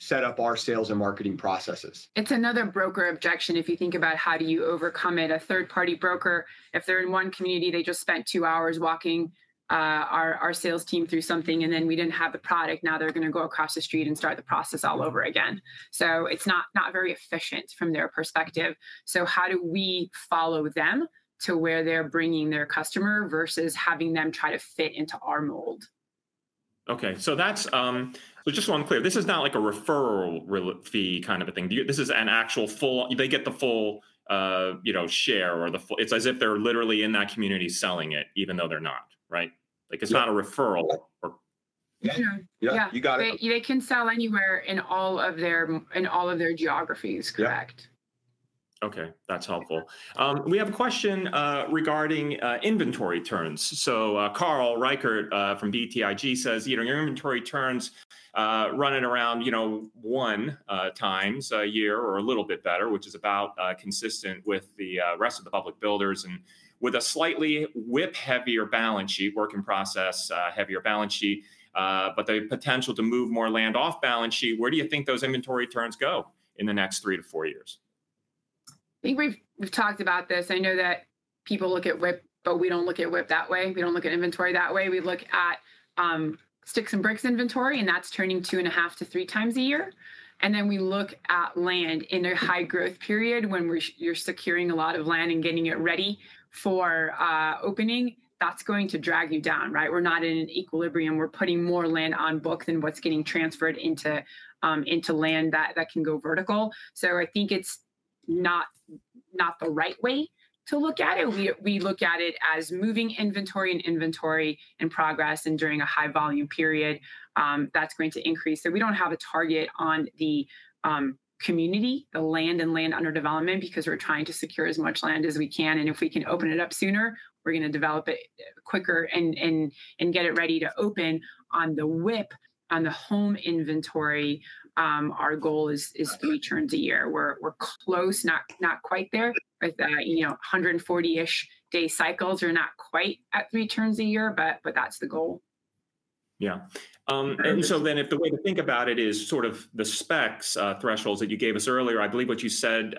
set up our sales and marketing processes.
It's another broker objection if you think about how do you overcome it. A third-party broker, if they're in one community, they just spent two hours walking our sales team through something, and then we didn't have the product. Now they're gonna go across the street and start the process all over again. So it's not very efficient from their perspective. So how do we follow them to where they're bringing their customer, versus having them try to fit into our mold?
Okay, so that's. So just so I'm clear, this is not like a referral fee kind of a thing. This is an actual full, they get the full, you know, share, or the full, it's as if they're literally in that community selling it, even though they're not, right?
Yeah.
Like, it's not a referral or-
Yeah.
Mm-hmm.
Yeah, you got it.
They can sell anywhere in all of their geographies, correct?
Yeah.
Okay, that's helpful. We have a question regarding inventory turns. So, Carl Reichardt from BTIG says, you know, your inventory turns running around, you know, one times a year or a little bit better, which is about consistent with the rest of the public builders and with a slightly WIP-heavier balance sheet, work in process heavier balance sheet, but the potential to move more land off balance sheet, where do you think those inventory turns go in the next three to four years?
I think we've talked about this. I know that people look at WIP, but we don't look at WIP that way. We don't look at inventory that way. We look at sticks and bricks inventory, and that's turning 2.5-3 times a year, and then we look at land. In a high growth period when we're- you're securing a lot of land and getting it ready for opening, that's going to drag you down, right? We're not in an equilibrium. We're putting more land on book than what's getting transferred into into land that that can go vertical. So I think it's not not the right way to look at it. We we look at it as moving inventory and inventory in progress, and during a high-volume period, that's going to increase. So we don't have a target on the community, the land and land under development, because we're trying to secure as much land as we can, and if we can open it up sooner, we're gonna develop it quicker and get it ready to open. On the WIP, on the home inventory, our goal is-
Got it...
is three turns a year. We're close, not quite there. With the, you know, 140-ish day cycles are not quite at three turns a year, but that's the goal.
Yeah. Um- So then, if the way to think about it is sort of the specs thresholds that you gave us earlier, I believe what you said,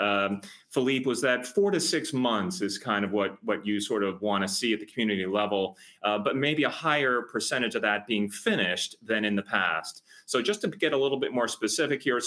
Philippe, was that 4-6 months is kind of what you sort of want to see at the community level, but maybe a higher percentage of that being finished than in the past. So just to get a little bit more specific here,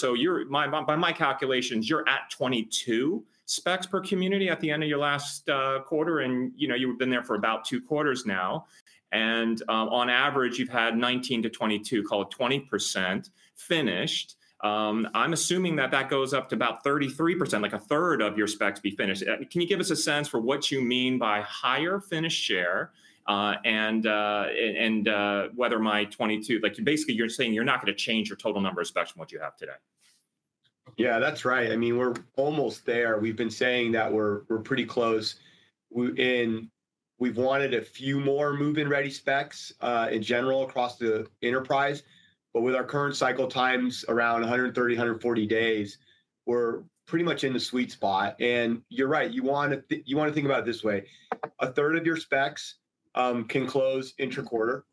by my calculations, you're at 22 specs per community at the end of your last quarter, and, you know, you've been there for about 2 quarters now, and on average, you've had 19-22, call it 20% finished. I'm assuming that that goes up to about 33%, like a third of your specs be finished. Can you give us a sense for what you mean by higher finished share, and whether my 22... Like, basically, you're saying you're not gonna change your total number of specs from what you have today?
Yeah, that's right. I mean, we're almost there. We've been saying that we're pretty close, and we've wanted a few more move-in-ready specs in general across the enterprise, but with our current cycle times, around 130-140 days, we're pretty much in the sweet spot, and you're right, you want to think about it this way. A third of your specs can close inter-quarter,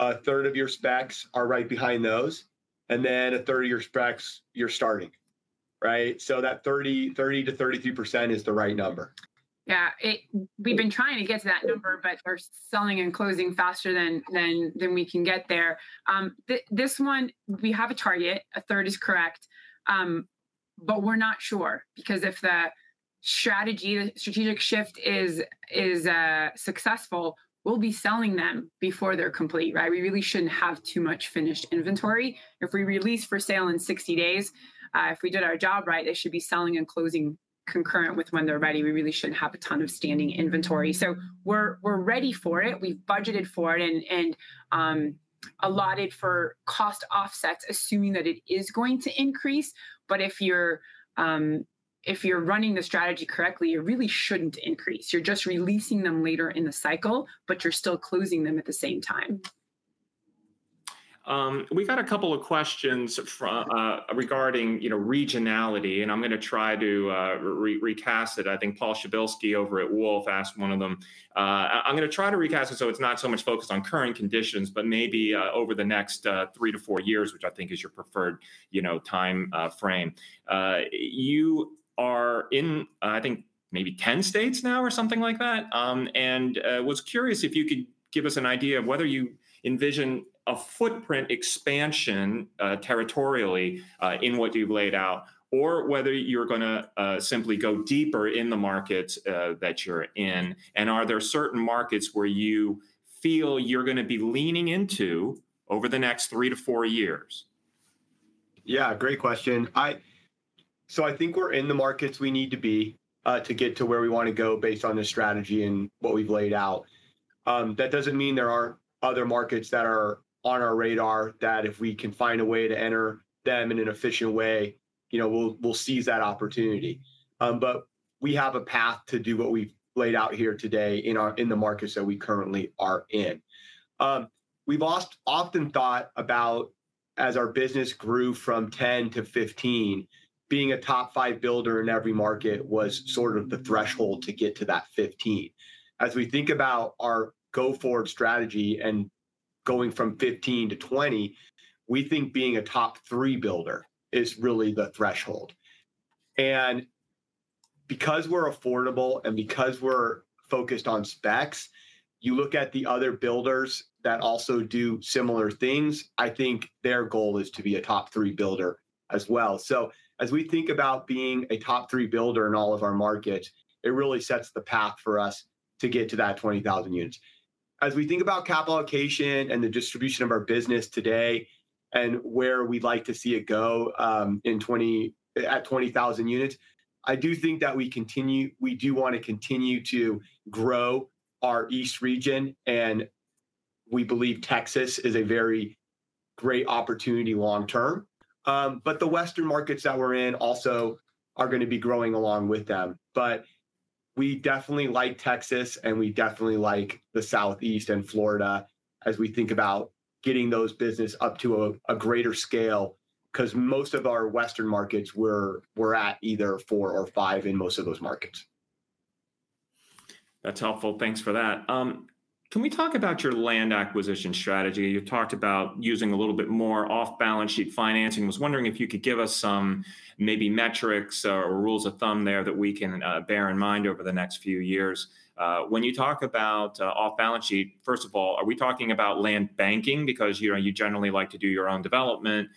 a third of your specs are right behind those, and then a third of your specs, you're starting, right? So that 30-33% is the right number.
Yeah, we've been trying to get to that number, but we're selling and closing faster than we can get there. This one, we have a target, a third is correct, but we're not sure because if the strategic shift is successful, we'll be selling them before they're complete, right? We really shouldn't have too much finished inventory. If we release for sale in 60 days, if we did our job right, they should be selling and closing concurrent with when they're ready. We really shouldn't have a ton of standing inventory. So we're ready for it. We've budgeted for it and allotted for cost offsets, assuming that it is going to increase, but if you're running the strategy correctly, you really shouldn't increase. You're just releasing them later in the cycle, but you're still closing them at the same time.
We've had a couple of questions regarding, you know, regionality, and I'm gonna try to recast it. I think Paul Przybylski over at Wolfe asked one of them. I'm gonna try to recast it so it's not so much focused on current conditions, but maybe, over the next, 3-4 years, which I think is your preferred, you know, time frame. You are in, I think, maybe 10 states now or something like that? And was curious if you could give us an idea of whether you envision a footprint expansion, territorially, in what you've laid out, or whether you're gonna, simply go deeper in the markets, that you're in, and are there certain markets where you feel you're gonna be leaning into over the next 3-4 years?
Yeah, great question. So I think we're in the markets we need to be to get to where we want to go based on the strategy and what we've laid out. That doesn't mean there aren't other markets that are on our radar, that if we can find a way to enter them in an efficient way, you know, we'll seize that opportunity. But we have a path to do what we've laid out here today in the markets that we currently are in. We've also often thought about as our business grew from 10 to 15, being a top 5 builder in every market was sort of the threshold to get to that 15. As we think about our go-forward strategy and going from 15 to 20, we think being a top 3 builder is really the threshold. Because we're affordable and because we're focused on specs, you look at the other builders that also do similar things, I think their goal is to be a top three builder as well. As we think about being a top three builder in all of our markets, it really sets the path for us to get to that 20,000 units. As we think about capital allocation and the distribution of our business today and where we'd like to see it go, at 20,000 units, I do think that we do want to continue to grow our East Region, and we believe Texas is a very great opportunity long term. But the Western markets that we're in also are gonna be growing along with them. But we definitely like Texas, and we definitely like the Southeast and Florida as we think about getting those business up to a greater scale, 'cause most of our Western markets we're at either four or five in most of those markets.
That's helpful. Thanks for that. Can we talk about your land acquisition strategy? You've talked about using a little bit more off-balance-sheet financing. Was wondering if you could give us some maybe metrics or rules of thumb there that we can bear in mind over the next few years. When you talk about off-balance-sheet, first of all, are we talking about land banking? Because, you know, you generally like to do your own development.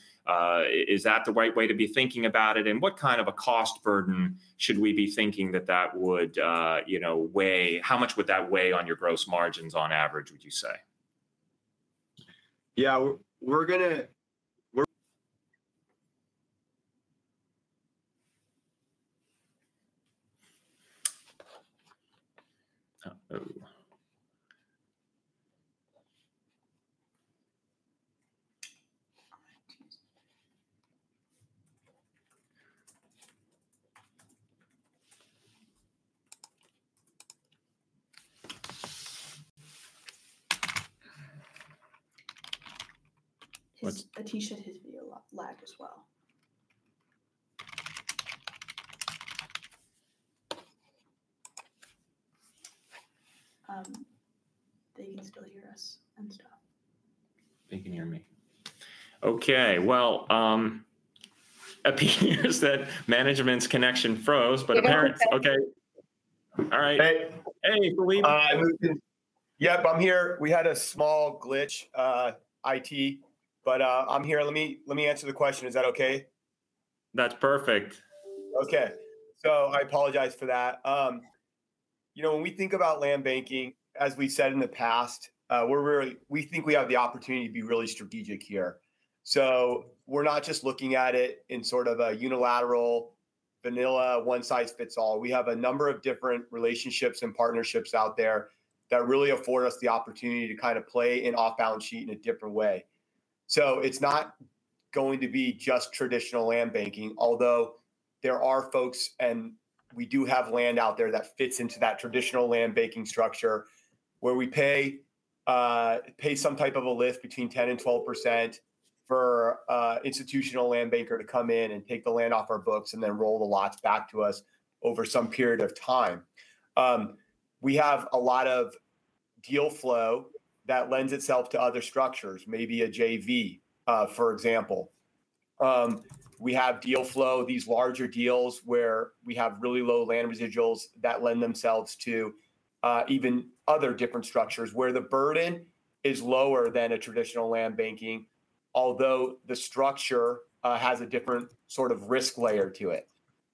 Is that the right way to be thinking about it, and what kind of a cost burden should we be thinking that that would, you know, weigh? How much would that weigh on your gross margins on average, would you say?
Yeah, we're gonna...
Uh-oh.
His... Ateesh said his video lag as well. They can still hear us and stuff.
They can hear me. Okay, well, it appears that management's connection froze, but apparently-
Yeah, but-
Okay. All right.
Hey.
Hey, Philippe.
I'm in. Yep, I'm here. We had a small glitch, IT, but, I'm here. Let me, let me answer the question. Is that okay?
That's perfect.
Okay. So I apologize for that. You know, when we think about land banking, as we said in the past, we're really—we think we have the opportunity to be really strategic here. So we're not just looking at it in sort of a unilateral, vanilla, one-size-fits-all. We have a number of different relationships and partnerships out there that really afford us the opportunity to kind of play in off-balance sheet in a different way. So it's not going to be just traditional land banking, although there are folks, and we do have land out there that fits into that traditional land banking structure, where we pay, pay some type of a lift between 10%-12% for an institutional land banker to come in and take the land off our books and then roll the lots back to us over some period of time. We have a lot of deal flow that lends itself to other structures, maybe a JV, for example. We have deal flow, these larger deals, where we have really low land residuals that lend themselves to even other different structures where the burden is lower than a traditional land banking, although the structure has a different sort of risk layer to it.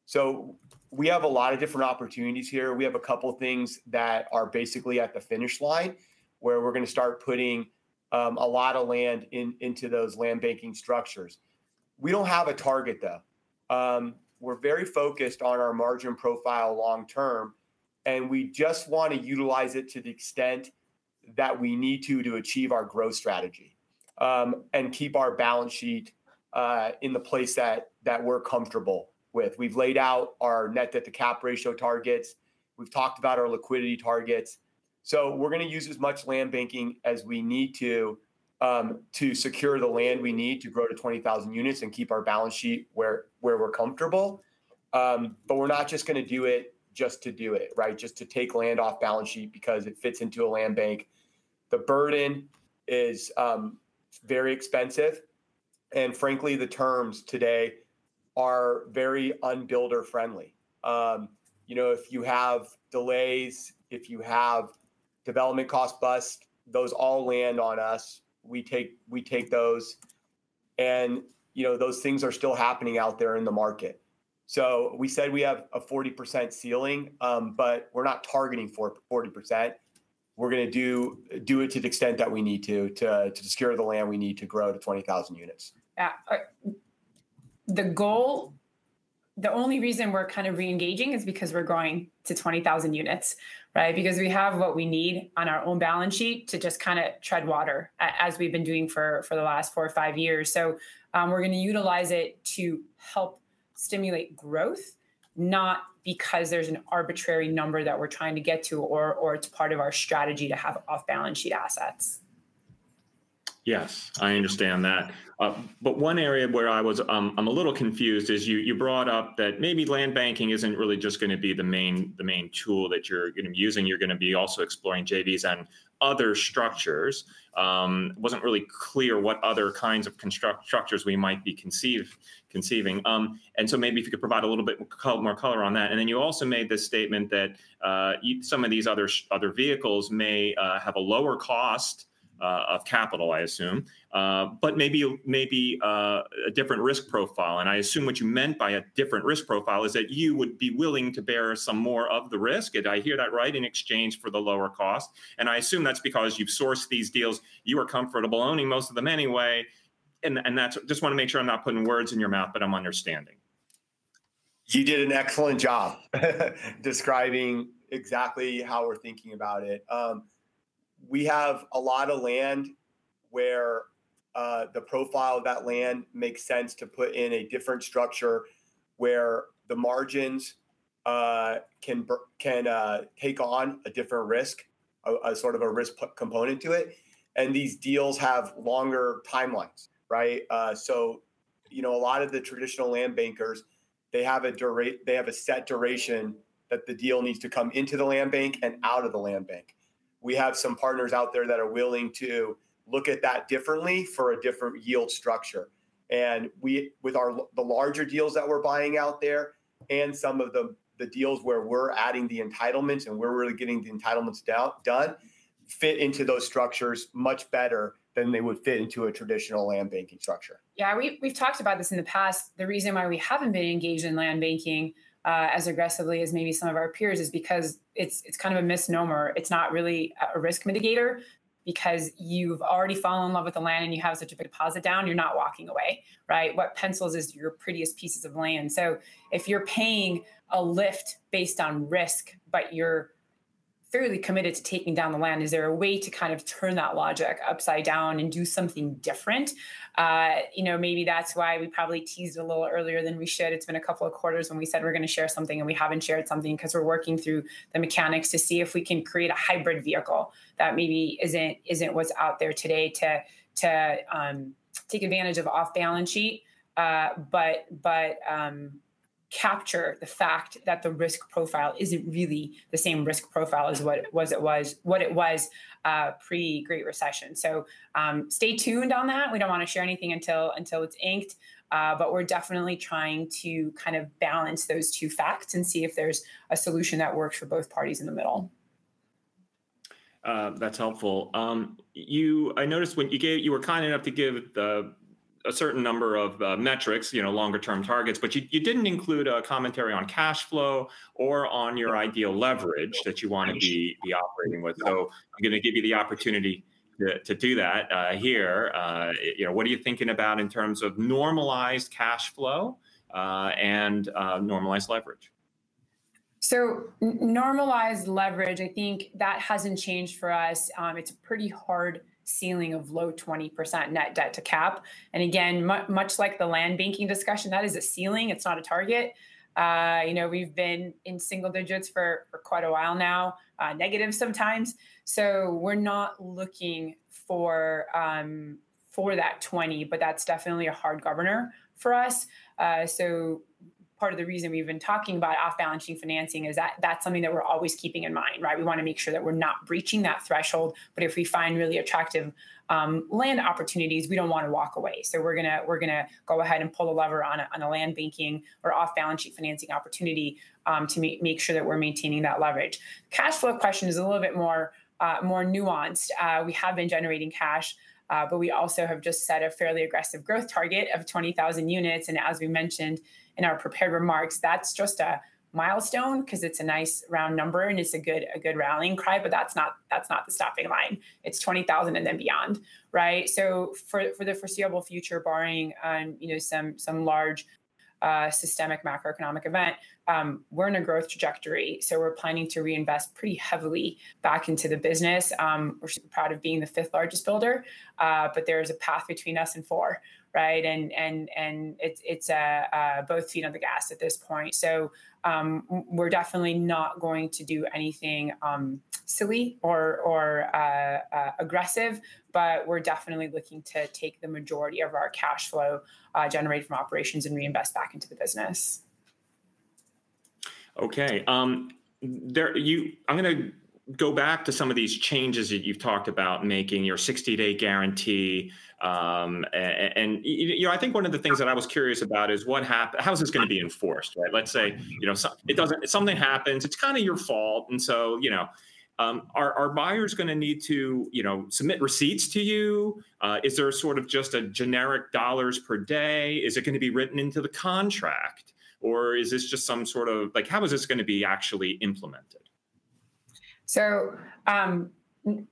So we have a lot of different opportunities here. We have a couple things that are basically at the finish line, where we're gonna start putting a lot of land into those land banking structures. We don't have a target, though. We're very focused on our margin profile long term, and we just want to utilize it to the extent that we need to, to achieve our growth strategy, and keep our balance sheet in the place that, that we're comfortable with. We've laid out our Net Debt-to-Capital Ratio targets. We've talked about our liquidity targets. So we're gonna use as much Land Banking as we need to, to secure the land we need to grow to 20,000 units and keep our balance sheet where, where we're comfortable. But we're not just gonna do it just to do it, right? Just to take land off balance sheet because it fits into a land bank. The burden is very expensive, and frankly, the terms today are very un-builder friendly. You know, if you have delays, if you have development cost bust, those all land on us. We take those. And, you know, those things are still happening out there in the market. So we said we have a 40% ceiling, but we're not targeting for 40%. We're gonna do it to the extent that we need to, to secure the land we need to grow to 20,000 units. Yeah. All right, w-...
the goal, the only reason we're kind of re-engaging is because we're growing to 20,000 units, right? Because we have what we need on our own balance sheet to just kind of tread water as we've been doing for the last four or five years. So, we're gonna utilize it to help stimulate growth, not because there's an arbitrary number that we're trying to get to or it's part of our strategy to have off-balance-sheet assets.
Yes, I understand that. But one area where I was, I'm a little confused is you, you brought up that maybe land banking isn't really just gonna be the main, the main tool that you're gonna be using. You're gonna be also exploring JVs and other structures. Wasn't really clear what other kinds of structures we might be conceiving. And so maybe if you could provide a little bit more color on that. And then you also made the statement that, some of these other vehicles may have a lower cost of capital, I assume. But maybe a different risk profile. And I assume what you meant by a different risk profile is that you would be willing to bear some more of the risk, did I hear that right, in exchange for the lower cost? And I assume that's because you've sourced these deals, you are comfortable owning most of them anyway, and, and that's... Just wanna make sure I'm not putting words in your mouth, but I'm understanding.
You did an excellent job describing exactly how we're thinking about it. We have a lot of land where the profile of that land makes sense to put in a different structure, where the margins can take on a different risk, a sort of a risk component to it, and these deals have longer timelines, right? So, you know, a lot of the traditional land bankers, they have a set duration that the deal needs to come into the land bank and out of the land bank. We have some partners out there that are willing to look at that differently for a different yield structure. We, with the larger deals that we're buying out there and some of the deals where we're adding the entitlements and where we're really getting the entitlements done, fit into those structures much better than they would fit into a traditional land banking structure.
Yeah, we've talked about this in the past. The reason why we haven't been engaged in land banking as aggressively as maybe some of our peers is because it's kind of a misnomer. It's not really a risk mitigator, because you've already fallen in love with the land, and you have such a big deposit down, you're not walking away, right? What pencils is your prettiest pieces of land. So if you're paying a lift based on risk, but you're thoroughly committed to taking down the land, is there a way to kind of turn that logic upside down and do something different? You know, maybe that's why we probably teased a little earlier than we should. It's been a couple of quarters when we said we're gonna share something, and we haven't shared something, 'cause we're working through the mechanics to see if we can create a hybrid vehicle that maybe isn't what's out there today to take advantage of off-balance sheet. But, but, capture the fact that the risk profile isn't really the same risk profile as what it was pre-Great Recession. So, stay tuned on that. We don't wanna share anything until it's inked. But we're definitely trying to kind of balance those two facts and see if there's a solution that works for both parties in the middle.
That's helpful. I noticed when you gave—you were kind enough to give a certain number of metrics, you know, longer term targets, but you didn't include a commentary on cash flow or on your ideal leverage that you wanna be operating with. So I'm gonna give you the opportunity to do that here. You know, what are you thinking about in terms of normalized cash flow and normalized leverage?
So normalized leverage, I think that hasn't changed for us. It's pretty hard ceiling of low 20% net debt to cap. And again, much like the land banking discussion, that is a ceiling, it's not a target. You know, we've been in single digits for quite a while now, negative sometimes. So we're not looking for that 20, but that's definitely a hard governor for us. So part of the reason we've been talking about off-balance sheet financing is that, that's something that we're always keeping in mind, right? We wanna make sure that we're not breaching that threshold, but if we find really attractive land opportunities, we don't wanna walk away. So we're gonna go ahead and pull the lever on a land banking or off-balance-sheet financing opportunity to make sure that we're maintaining that leverage. Cash flow question is a little bit more nuanced. We have been generating cash, but we also have just set a fairly aggressive growth target of 20,000 units. And as we mentioned in our prepared remarks, that's just a milestone, 'cause it's a nice round number, and it's a good rallying cry, but that's not the stopping line. It's 20,000 and then beyond, right? So for the foreseeable future, barring you know some large systemic macroeconomic event, we're in a growth trajectory, so we're planning to reinvest pretty heavily back into the business. We're super proud of being the fifth largest builder. But there is a path between us and four, right? And it's a both foot on the gas at this point. So, we're definitely not going to do anything silly or aggressive, but we're definitely looking to take the majority of our cash flow generated from operations and reinvest back into the business.
Okay, I'm gonna go back to some of these changes that you've talked about, making your 60-day guarantee. You know, I think one of the things that I was curious about is how is this gonna be enforced, right? Let's say, you know, something happens, it's kind of your fault, and so, you know, are buyers gonna need to, you know, submit receipts to you? Is there a sort of just a generic dollars per day? Is it gonna be written into the contract, or is this just some sort of... Like, how is this gonna be actually implemented?...
So,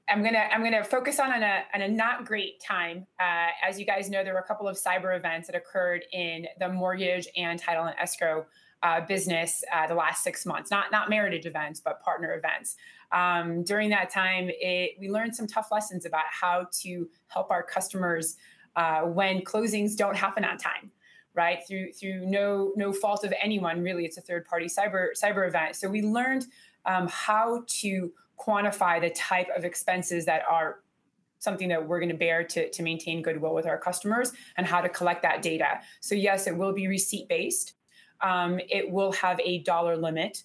I'm gonna focus on a not great time. As you guys know, there were a couple of cyber events that occurred in the mortgage and title and escrow business the last six months. Not Meritage events, but partner events. During that time, we learned some tough lessons about how to help our customers when closings don't happen on time, right? Through no fault of anyone, really. It's a third-party cyber event. So we learned how to quantify the type of expenses that are something that we're gonna bear to maintain goodwill with our customers and how to collect that data. So yes, it will be receipt-based. It will have a dollar limit.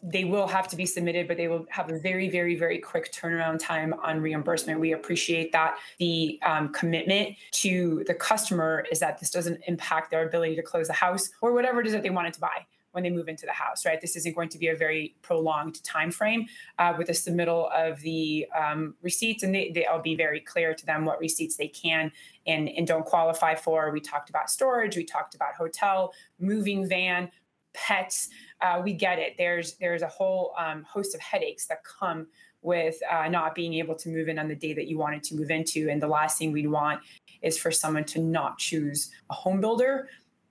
They will have to be submitted, but they will have a very, very, very quick turnaround time on reimbursement. We appreciate that the commitment to the customer is that this doesn't impact their ability to close a house or whatever it is that they wanted to buy when they move into the house, right? This isn't going to be a very prolonged timeframe with the submittal of the receipts, and they... I'll be very clear to them what receipts they can and don't qualify for. We talked about storage, we talked about hotel, moving van, pets. We get it. There's a whole host of headaches that come with not being able to move in on the day that you wanted to move into, and the last thing we'd want is for someone to not choose a home builder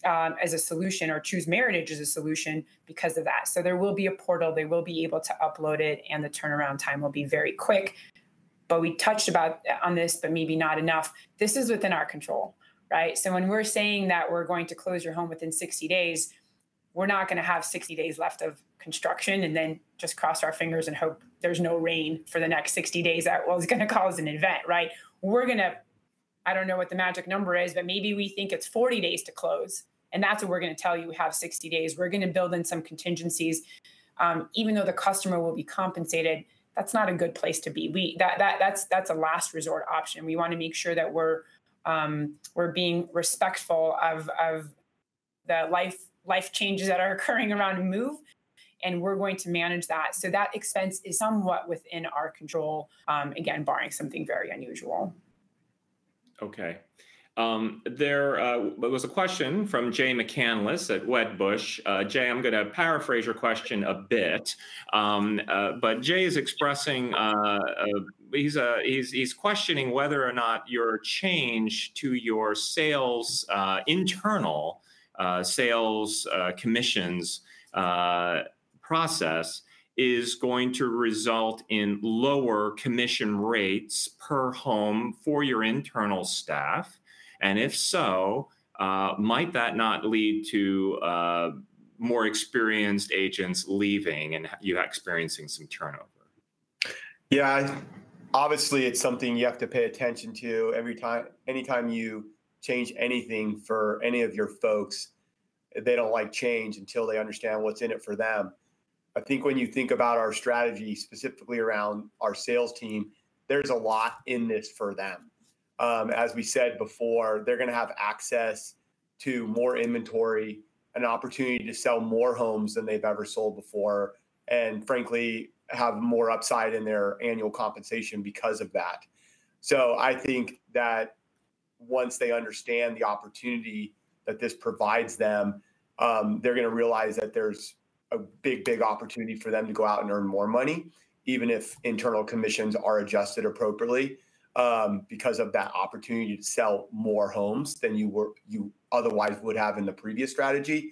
as a solution or choose Meritage as a solution because of that. So there will be a portal. They will be able to upload it, and the turnaround time will be very quick. But we touched about on this, but maybe not enough. This is within our control, right? So when we're saying that we're going to close your home within 60 days, we're not gonna have 60 days left of construction, and then just cross our fingers and hope there's no rain for the next 60 days. That was gonna cause an event, right? We're gonna... I don't know what the magic number is, but maybe we think it's 40 days to close, and that's what we're gonna tell you, "You have 60 days." We're gonna build in some contingencies. Even though the customer will be compensated, that's not a good place to be. We... That's a last resort option. We wanna make sure that we're being respectful of the life changes that are occurring around a move, and we're going to manage that. So that expense is somewhat within our control, again, barring something very unusual.
Okay. There was a question from Jay McCanless at Wedbush. Jay, I'm gonna paraphrase your question a bit. But Jay is expressing, he's questioning whether or not your change to your sales internal sales commissions process is going to result in lower commission rates per home for your internal staff, and if so, might that not lead to more experienced agents leaving, and you experiencing some turnover?
Yeah, obviously, it's something you have to pay attention to every time... anytime you change anything for any of your folks. They don't like change until they understand what's in it for them. I think when you think about our strategy specifically around our sales team, there's a lot in this for them. As we said before, they're gonna have access to more inventory and opportunity to sell more homes than they've ever sold before, and frankly, have more upside in their annual compensation because of that. So I think that once they understand the opportunity that this provides them, they're gonna realize that there's a big, big opportunity for them to go out and earn more money, even if internal commissions are adjusted appropriately, because of that opportunity to sell more homes than you otherwise would have in the previous strategy.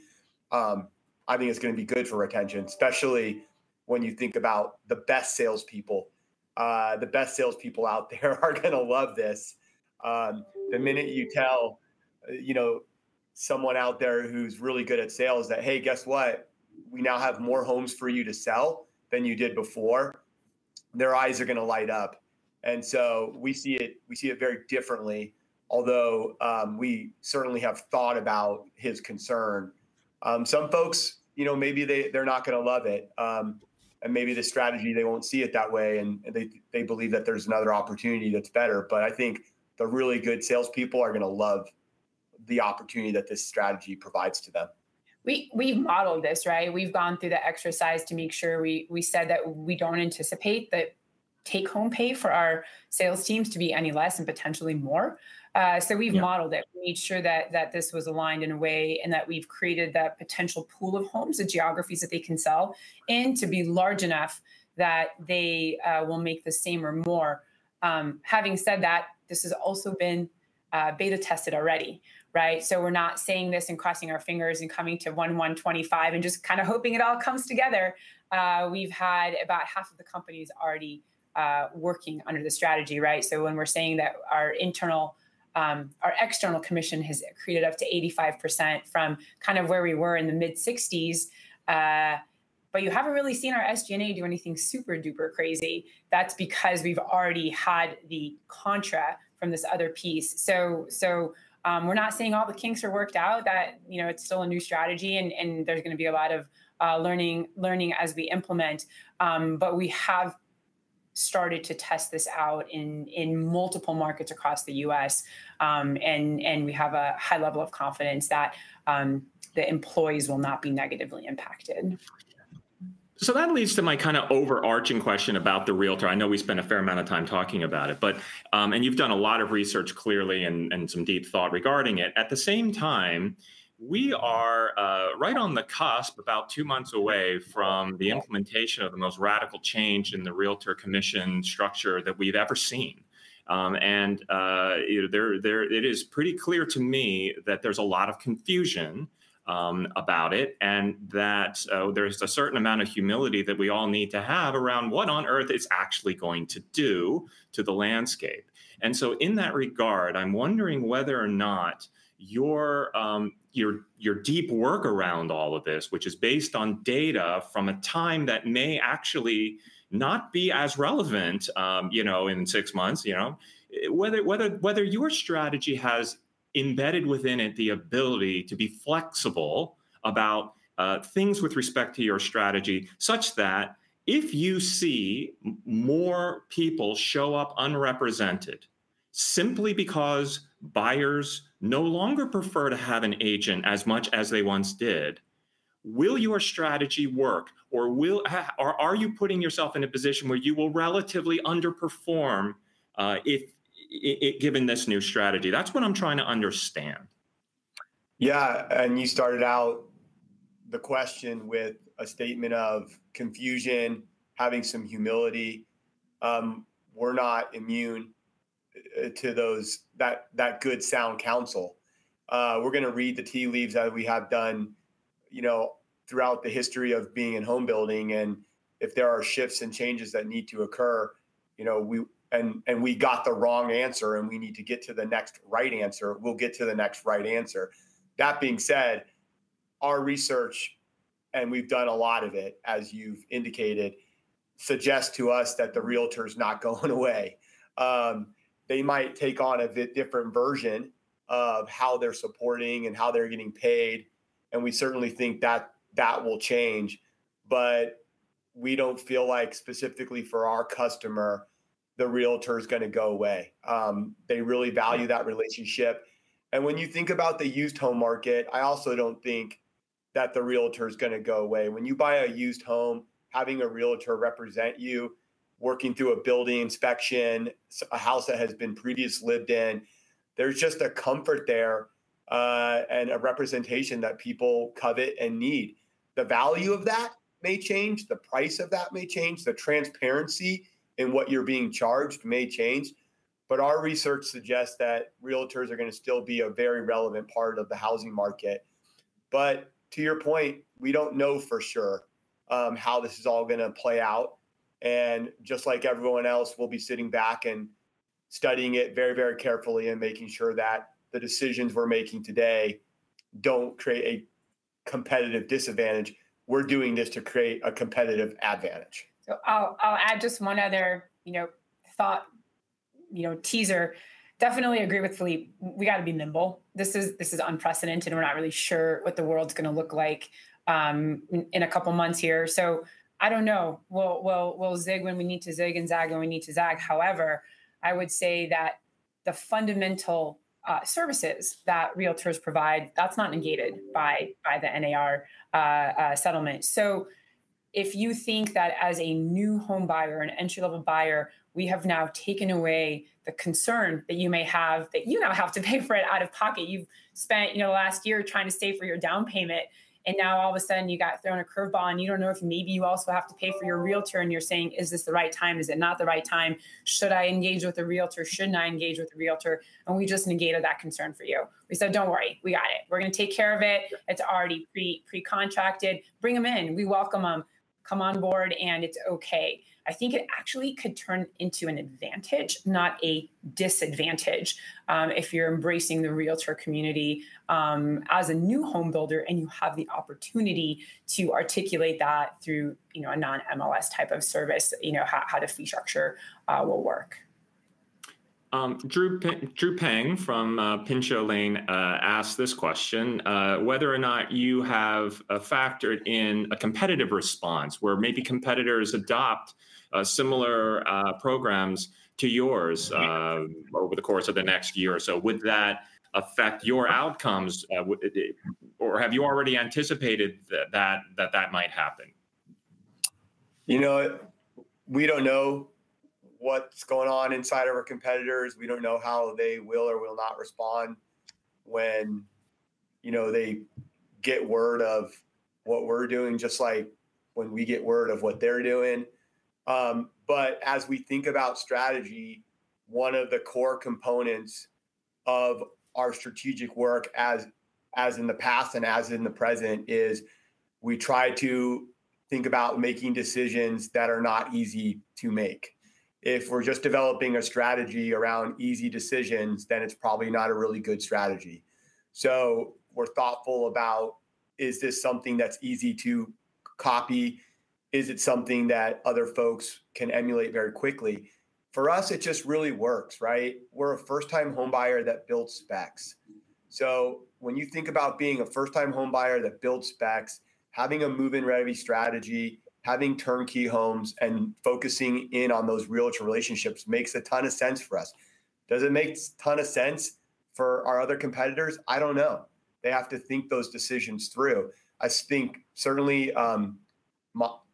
I think it's gonna be good for retention, especially when you think about the best salespeople. The best salespeople out there are gonna love this. The minute you tell, you know, someone out there who's really good at sales that, "Hey, guess what? We now have more homes for you to sell than you did before," their eyes are gonna light up, and so we see it, we see it very differently, although, we certainly have thought about his concern. Some folks, you know, maybe they... they're not gonna love it, and maybe the strategy, they won't see it that way, and, and they, they believe that there's another opportunity that's better. But I think the really good salespeople are gonna love the opportunity that this strategy provides to them.
We, we've modeled this, right? We've gone through the exercise to make sure we... We said that we don't anticipate the take-home pay for our sales teams to be any less and potentially more. So we've-
Yeah...
modeled it. We made sure that this was aligned in a way, and that we've created that potential pool of homes, the geographies that they can sell, and to be large enough that they will make the same or more. Having said that, this has also been beta tested already, right? So we're not saying this and crossing our fingers and coming to 11:25, and just kind of hoping it all comes together. We've had about half of the companies already working under the strategy, right? So when we're saying that our internal, our external commission has accreted up to 85% from kind of where we were in the mid-60s%, but you haven't really seen our SG&A do anything super-duper crazy. That's because we've already had the contra from this other piece. We're not saying all the kinks are worked out, that you know it's still a new strategy, and there's gonna be a lot of learning as we implement. But we have started to test this out in multiple markets across the US, and we have a high level of confidence that the employees will not be negatively impacted.
So that leads to my kind of overarching question about the Realtor. I know we spent a fair amount of time talking about it, but, and you've done a lot of research clearly, and some deep thought regarding it. At the same time... We are right on the cusp, about 2 months away from the implementation of the most radical change in the realtor commission structure that we've ever seen. And, you know, it is pretty clear to me that there's a lot of confusion about it, and that there's a certain amount of humility that we all need to have around what on earth it's actually going to do to the landscape. In that regard, I'm wondering whether or not your deep work around all of this, which is based on data from a time that may actually not be as relevant, you know, in six months, you know? Whether your strategy has embedded within it the ability to be flexible about things with respect to your strategy, such that if you see more people show up unrepresented simply because buyers no longer prefer to have an agent as much as they once did, will your strategy work, or are you putting yourself in a position where you will relatively underperform, if given this new strategy? That's what I'm trying to understand.
Yeah, and you started out the question with a statement of confusion, having some humility. We're not immune to that good, sound counsel. We're gonna read the tea leaves, as we have done, you know, throughout the history of being in home building, and if there are shifts and changes that need to occur, you know, we got the wrong answer, and we need to get to the next right answer, we'll get to the next right answer. That being said, our research, and we've done a lot of it, as you've indicated, suggests to us that the realtor's not going away. They might take on a bit different version of how they're supporting and how they're getting paid, and we certainly think that will change, but we don't feel like, specifically for our customer, the realtor's gonna go away. They really value that relationship. When you think about the used home market, I also don't think that the realtor's gonna go away. When you buy a used home, having a realtor represent you, working through a building inspection, a house that has been previously lived in, there's just a comfort there, and a representation that people covet and need. The value of that may change, the price of that may change, the transparency in what you're being charged may change, but our research suggests that realtors are gonna still be a very relevant part of the housing market. But to your point, we don't know for sure, how this is all gonna play out, and just like everyone else, we'll be sitting back and studying it very, very carefully, and making sure that the decisions we're making today don't create a competitive disadvantage. We're doing this to create a competitive advantage.
So I'll add just one other, you know, thought, you know, teaser. Definitely agree with Philippe. We gotta be nimble. This is unprecedented, and we're not really sure what the world's gonna look like in a couple months here. So I don't know. We'll zig when we need to zig, and zag when we need to zag. However, I would say that the fundamental services that realtors provide, that's not negated by the NAR settlement. So if you think that as a new home buyer, an entry-level buyer, we have now taken away the concern that you may have, that you now have to pay for it out of pocket. You've spent, you know, the last year trying to save for your down payment, and now all of a sudden, you got thrown a curve ball, and you don't know if maybe you also have to pay for your realtor, and you're saying, "Is this the right time? Is it not the right time? Should I engage with a realtor? Shouldn't I engage with a realtor?" And we just negated that concern for you. We said, "Don't worry, we got it. We're gonna take care of it. It's already pre, pre-contracted. Bring them in. We welcome 'em. Come on board, and it's okay." I think it actually could turn into an advantage, not a disadvantage, if you're embracing the realtor community, as a new home builder, and you have the opportunity to articulate that through, you know, a non-MLS type of service, you know, how the fee structure will work.
Drew Pang- Drew Pang from Pinchot Lane asked this question, whether or not you have factored in a competitive response, where maybe competitors adopt similar programs to yours over the course of the next year or so? Would that affect your outcomes, or have you already anticipated that that might happen?
You know what? We don't know what's going on inside of our competitors. We don't know how they will or will not respond when, you know, they get word of what we're doing, just like when we get word of what they're doing. But as we think about strategy, one of the core components of our strategic work, as in the past and as in the present, is we try to think about making decisions that are not easy to make. If we're just developing a strategy around easy decisions, then it's probably not a really good strategy. So we're thoughtful about, is this something that's easy to copy? Is it something that other folks can emulate very quickly? For us, it just really works, right? We're a first-time home buyer that builds specs. So when you think about being a first-time home buyer that builds specs, having a move-in-ready strategy, having turnkey homes, and focusing in on those realtor relationships makes a ton of sense for us. Does it make ton of sense for our other competitors? I don't know. They have to think those decisions through. I think, certainly,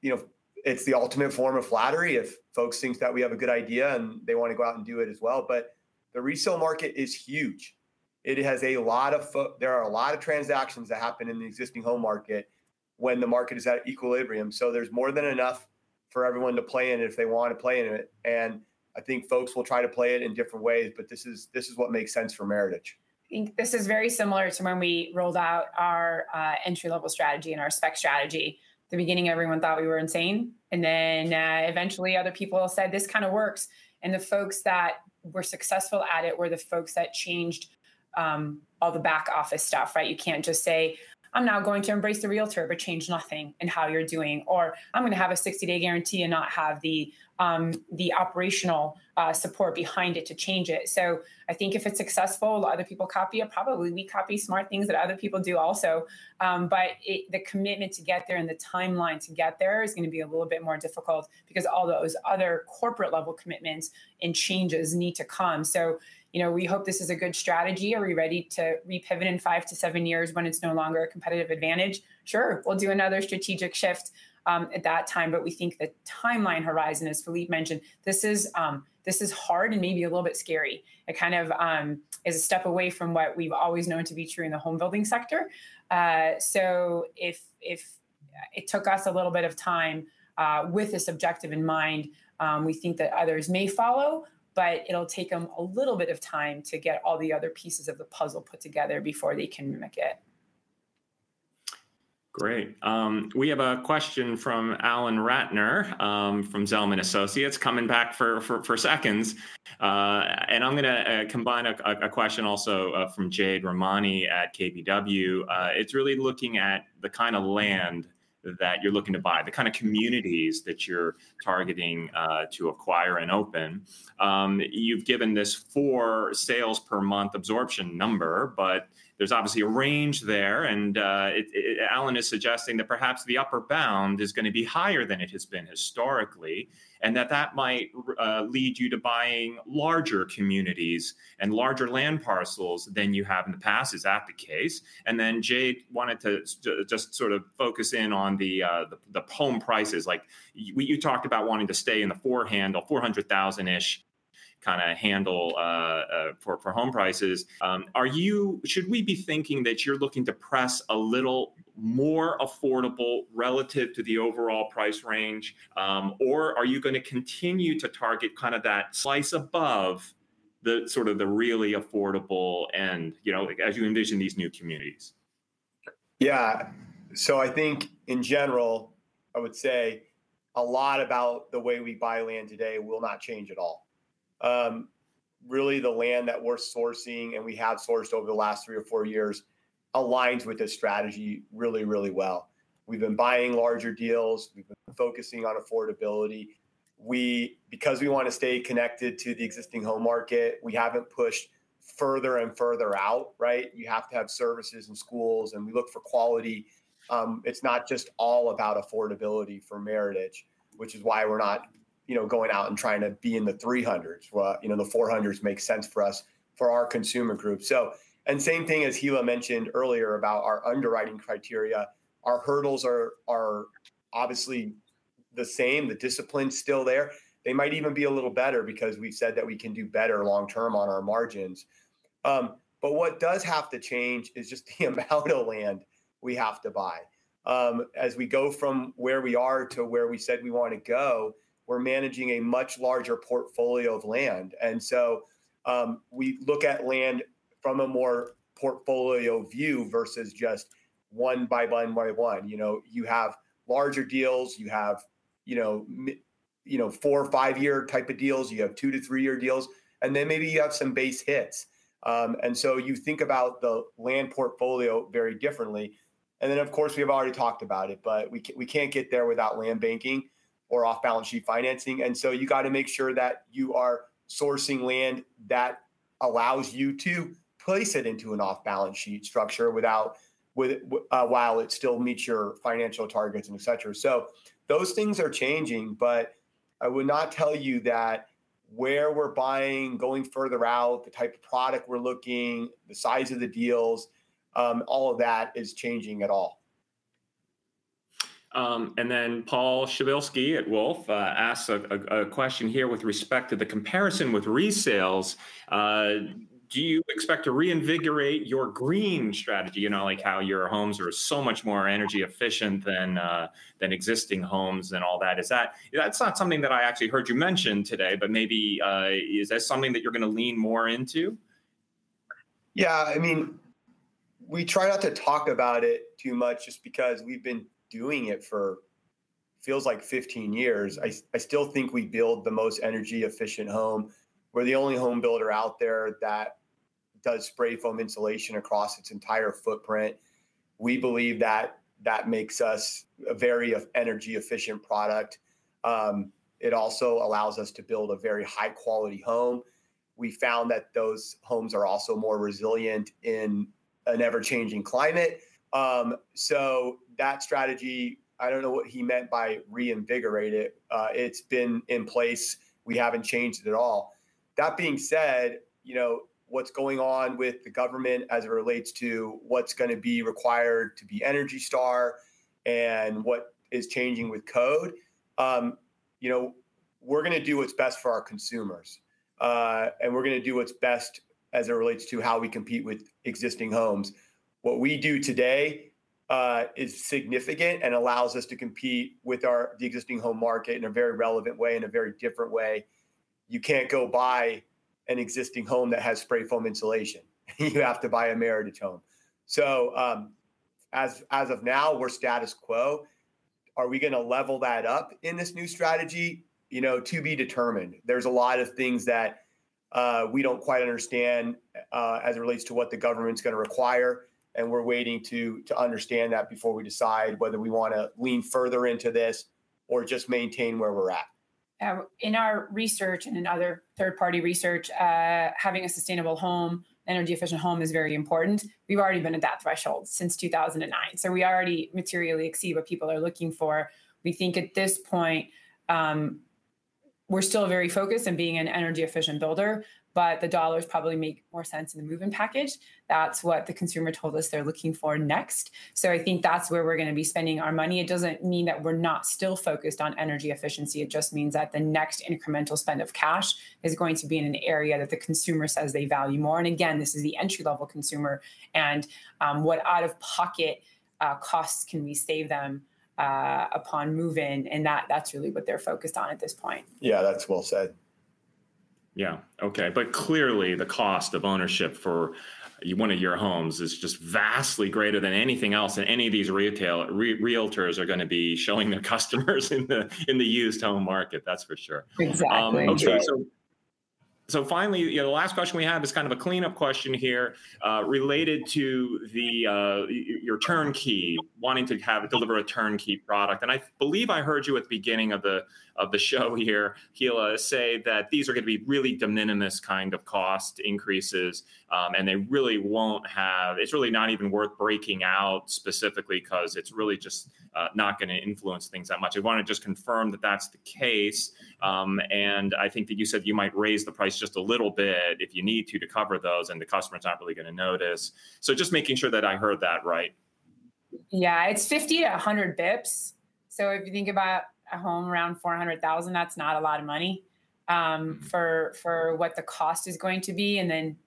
you know, it's the ultimate form of flattery if folks think that we have a good idea, and they wanna go out and do it as well. But the resale market is huge. It has a lot of. There are a lot of transactions that happen in the existing home market when the market is at equilibrium, so there's more than enough for everyone to play in if they want to play in it. I think folks will try to play it in different ways, but this is what makes sense for Meritage.
I think this is very similar to when we rolled out our entry-level strategy and our spec strategy. At the beginning, everyone thought we were insane, and then eventually other people said, "This kind of works." And the folks that were successful at it were the folks that changed all the back office stuff, right? You can't just say, "I'm now going to embrace the realtor," but change nothing in how you're doing. Or, "I'm gonna have a 60-day guarantee," and not have the operational support behind it to change it. So I think if it's successful, a lot of people copy it, probably. We copy smart things that other people do also. But the commitment to get there and the timeline to get there is gonna be a little bit more difficult because all those other corporate-level commitments and changes need to come. So, you know, we hope this is a good strategy. Are we ready to re-pivot in 5-7 years when it's no longer a competitive advantage? Sure, we'll do another strategic shift at that time, but we think the timeline horizon, as Philippe mentioned, this is hard and maybe a little bit scary. It kind of is a step away from what we've always known to be true in the home building sector. So it took us a little bit of time with this objective in mind. We think that others may follow, but it'll take them a little bit of time to get all the other pieces of the puzzle put together before they can mimic it.
Great. We have a question from Alan Ratner from Zelman Associates, coming back for seconds. And I'm gonna combine a question also from Jade Rahmani at KBW. It's really looking at the kind of land that you're looking to buy, the kind of communities that you're targeting to acquire and open. You've given this 4 sales per month absorption number, but there's obviously a range there, and Alan is suggesting that perhaps the upper bound is gonna be higher than it has been historically, and that that might lead you to buying larger communities and larger land parcels than you have in the past. Is that the case? And then Jade wanted to just sort of focus in on the home prices. Like, you talked about wanting to stay in the four handle, $400,000-ish kind of handle for home prices. Should we be thinking that you're looking to press a little more affordable relative to the overall price range, or are you gonna continue to target kind of that slice above the sort of the really affordable end, you know, like, as you envision these new communities?
Yeah, so I think in general, I would say a lot about the way we buy land today will not change at all. Really, the land that we're sourcing, and we have sourced over the last three or four years aligns with this strategy really, really well. We've been buying larger deals. We've been focusing on affordability. We, because we want to stay connected to the existing home market, we haven't pushed further and further out, right? We have to have services and schools, and we look for quality. It's not just all about affordability for Meritage, which is why we're not, you know, going out and trying to be in the 300s. Well, you know, the 400s make sense for us, for our consumer group. So, and same thing as Hilla mentioned earlier about our underwriting criteria, our hurdles are obviously the same. The discipline's still there. They might even be a little better because we've said that we can do better long-term on our margins. But what does have to change is just the amount of land we have to buy. As we go from where we are to where we said we want to go, we're managing a much larger portfolio of land, and so, we look at land from a more portfolio view versus just one by one by one. You know, you have larger deals. You have, you know, 4- or 5-year type of deals, you have 2- to 3-year deals, and then maybe you have some base hits. And so you think about the land portfolio very differently. And then, of course, we have already talked about it, but we can't get there without land banking or off-balance-sheet financing, and so you gotta make sure that you are sourcing land that allows you to place it into an off-balance-sheet structure without, while it still meets your financial targets and et cetera. So those things are changing, but I would not tell you that where we're buying, going further out, the type of product we're looking, the size of the deals, all of that is changing at all. And then Paul Przybylski at Wolfe asks a question here with respect to the comparison with resales. Do you expect to reinvigorate your green strategy, you know, like how your homes are so much more energy efficient than existing homes and all that? Is that... That's not something that I actually heard you mention today, but maybe, is that something that you're gonna lean more into? Yeah, I mean, we try not to talk about it too much just because we've been doing it. It feels like 15 years. I still think we build the most energy-efficient home. We're the only home builder out there that does spray foam insulation across its entire footprint. We believe that that makes us a very energy-efficient product. It also allows us to build a very high-quality home. We found that those homes are also more resilient in an ever-changing climate. So that strategy, I don't know what he meant by reinvigorate it. It's been in place. We haven't changed it at all. That being said, you know, what's going on with the government as it relates to what's gonna be required to be ENERGY STAR and what is changing with code, you know, we're gonna do what's best for our consumers. And we're gonna do what's best as it relates to how we compete with existing homes. What we do today is significant and allows us to compete with the existing home market in a very relevant way, in a very different way. You can't go buy an existing home that has spray foam insulation. You have to buy a Meritage home. So, as of now, we're status quo. Are we gonna level that up in this new strategy? You know, to be determined. There's a lot of things that we don't quite understand as it relates to what the government's gonna require, and we're waiting to understand that before we decide whether we wanna lean further into this or just maintain where we're at.
In our research, and in other third-party research, having a sustainable home, energy-efficient home is very important. We've already been at that threshold since 2009, so we already materially exceed what people are looking for. We think at this point, we're still very focused on being an energy-efficient builder, but the dollars probably make more sense in the move-in package. That's what the consumer told us they're looking for next, so I think that's where we're gonna be spending our money. It doesn't mean that we're not still focused on energy efficiency. It just means that the next incremental spend of cash is going to be in an area that the consumer says they value more, and again, this is the entry-level consumer, and, what out-of-pocket costs can we save them upon move-in, and that, that's really what they're focused on at this point.
Yeah, that's well said.
Yeah, okay. But clearly, the cost of ownership for one of your homes is just vastly greater than anything else that any of these realtors are gonna be showing their customers in the, in the used home market, that's for sure.
Exactly.
Okay, so, so finally, you know, the last question we have is kind of a cleanup question here, related to the, your turnkey, wanting to have, deliver a turnkey product, and I believe I heard you at the beginning of the, of the show here, Hilla, say that these are gonna be really de minimis kind of cost increases, and they really won't have... It's really not even worth breaking out specifically 'cause it's really just, not gonna influence things that much. I wanna just confirm that that's the case. And I think that you said you might raise the price just a little bit if you need to, to cover those, and the customer's not really gonna notice. So just making sure that I heard that right.
Yeah, it's 50-100 basis points, so if you think about a home around $400,000, that's not a lot of money for what the cost is going to be, and then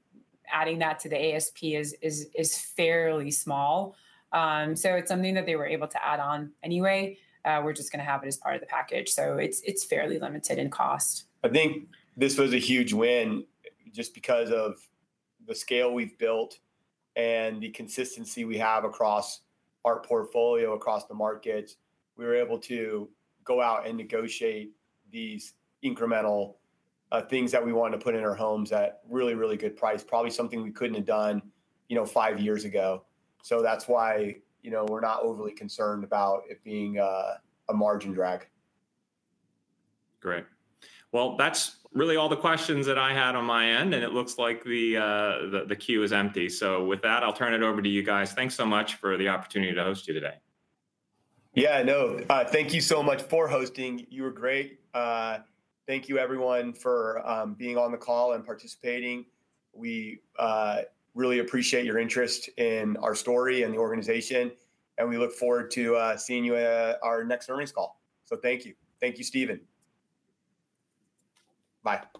adding that to the ASP is fairly small. So it's something that they were able to add on anyway. We're just gonna have it as part of the package, so it's fairly limited in cost.
I think this was a huge win just because of the scale we've built and the consistency we have across our portfolio, across the markets. We were able to go out and negotiate these incremental things that we wanted to put in our homes at really, really good price, probably something we couldn't have done, you know, five years ago. So that's why, you know, we're not overly concerned about it being a margin drag.
Great. Well, that's really all the questions that I had on my end, and it looks like the queue is empty, so with that, I'll turn it over to you guys. Thanks so much for the opportunity to host you today.
Yeah, no, thank you so much for hosting. You were great. Thank you everyone for being on the call and participating. We really appreciate your interest in our story and the organization, and we look forward to seeing you at our next earnings call. So thank you. Thank you, Steven. Bye.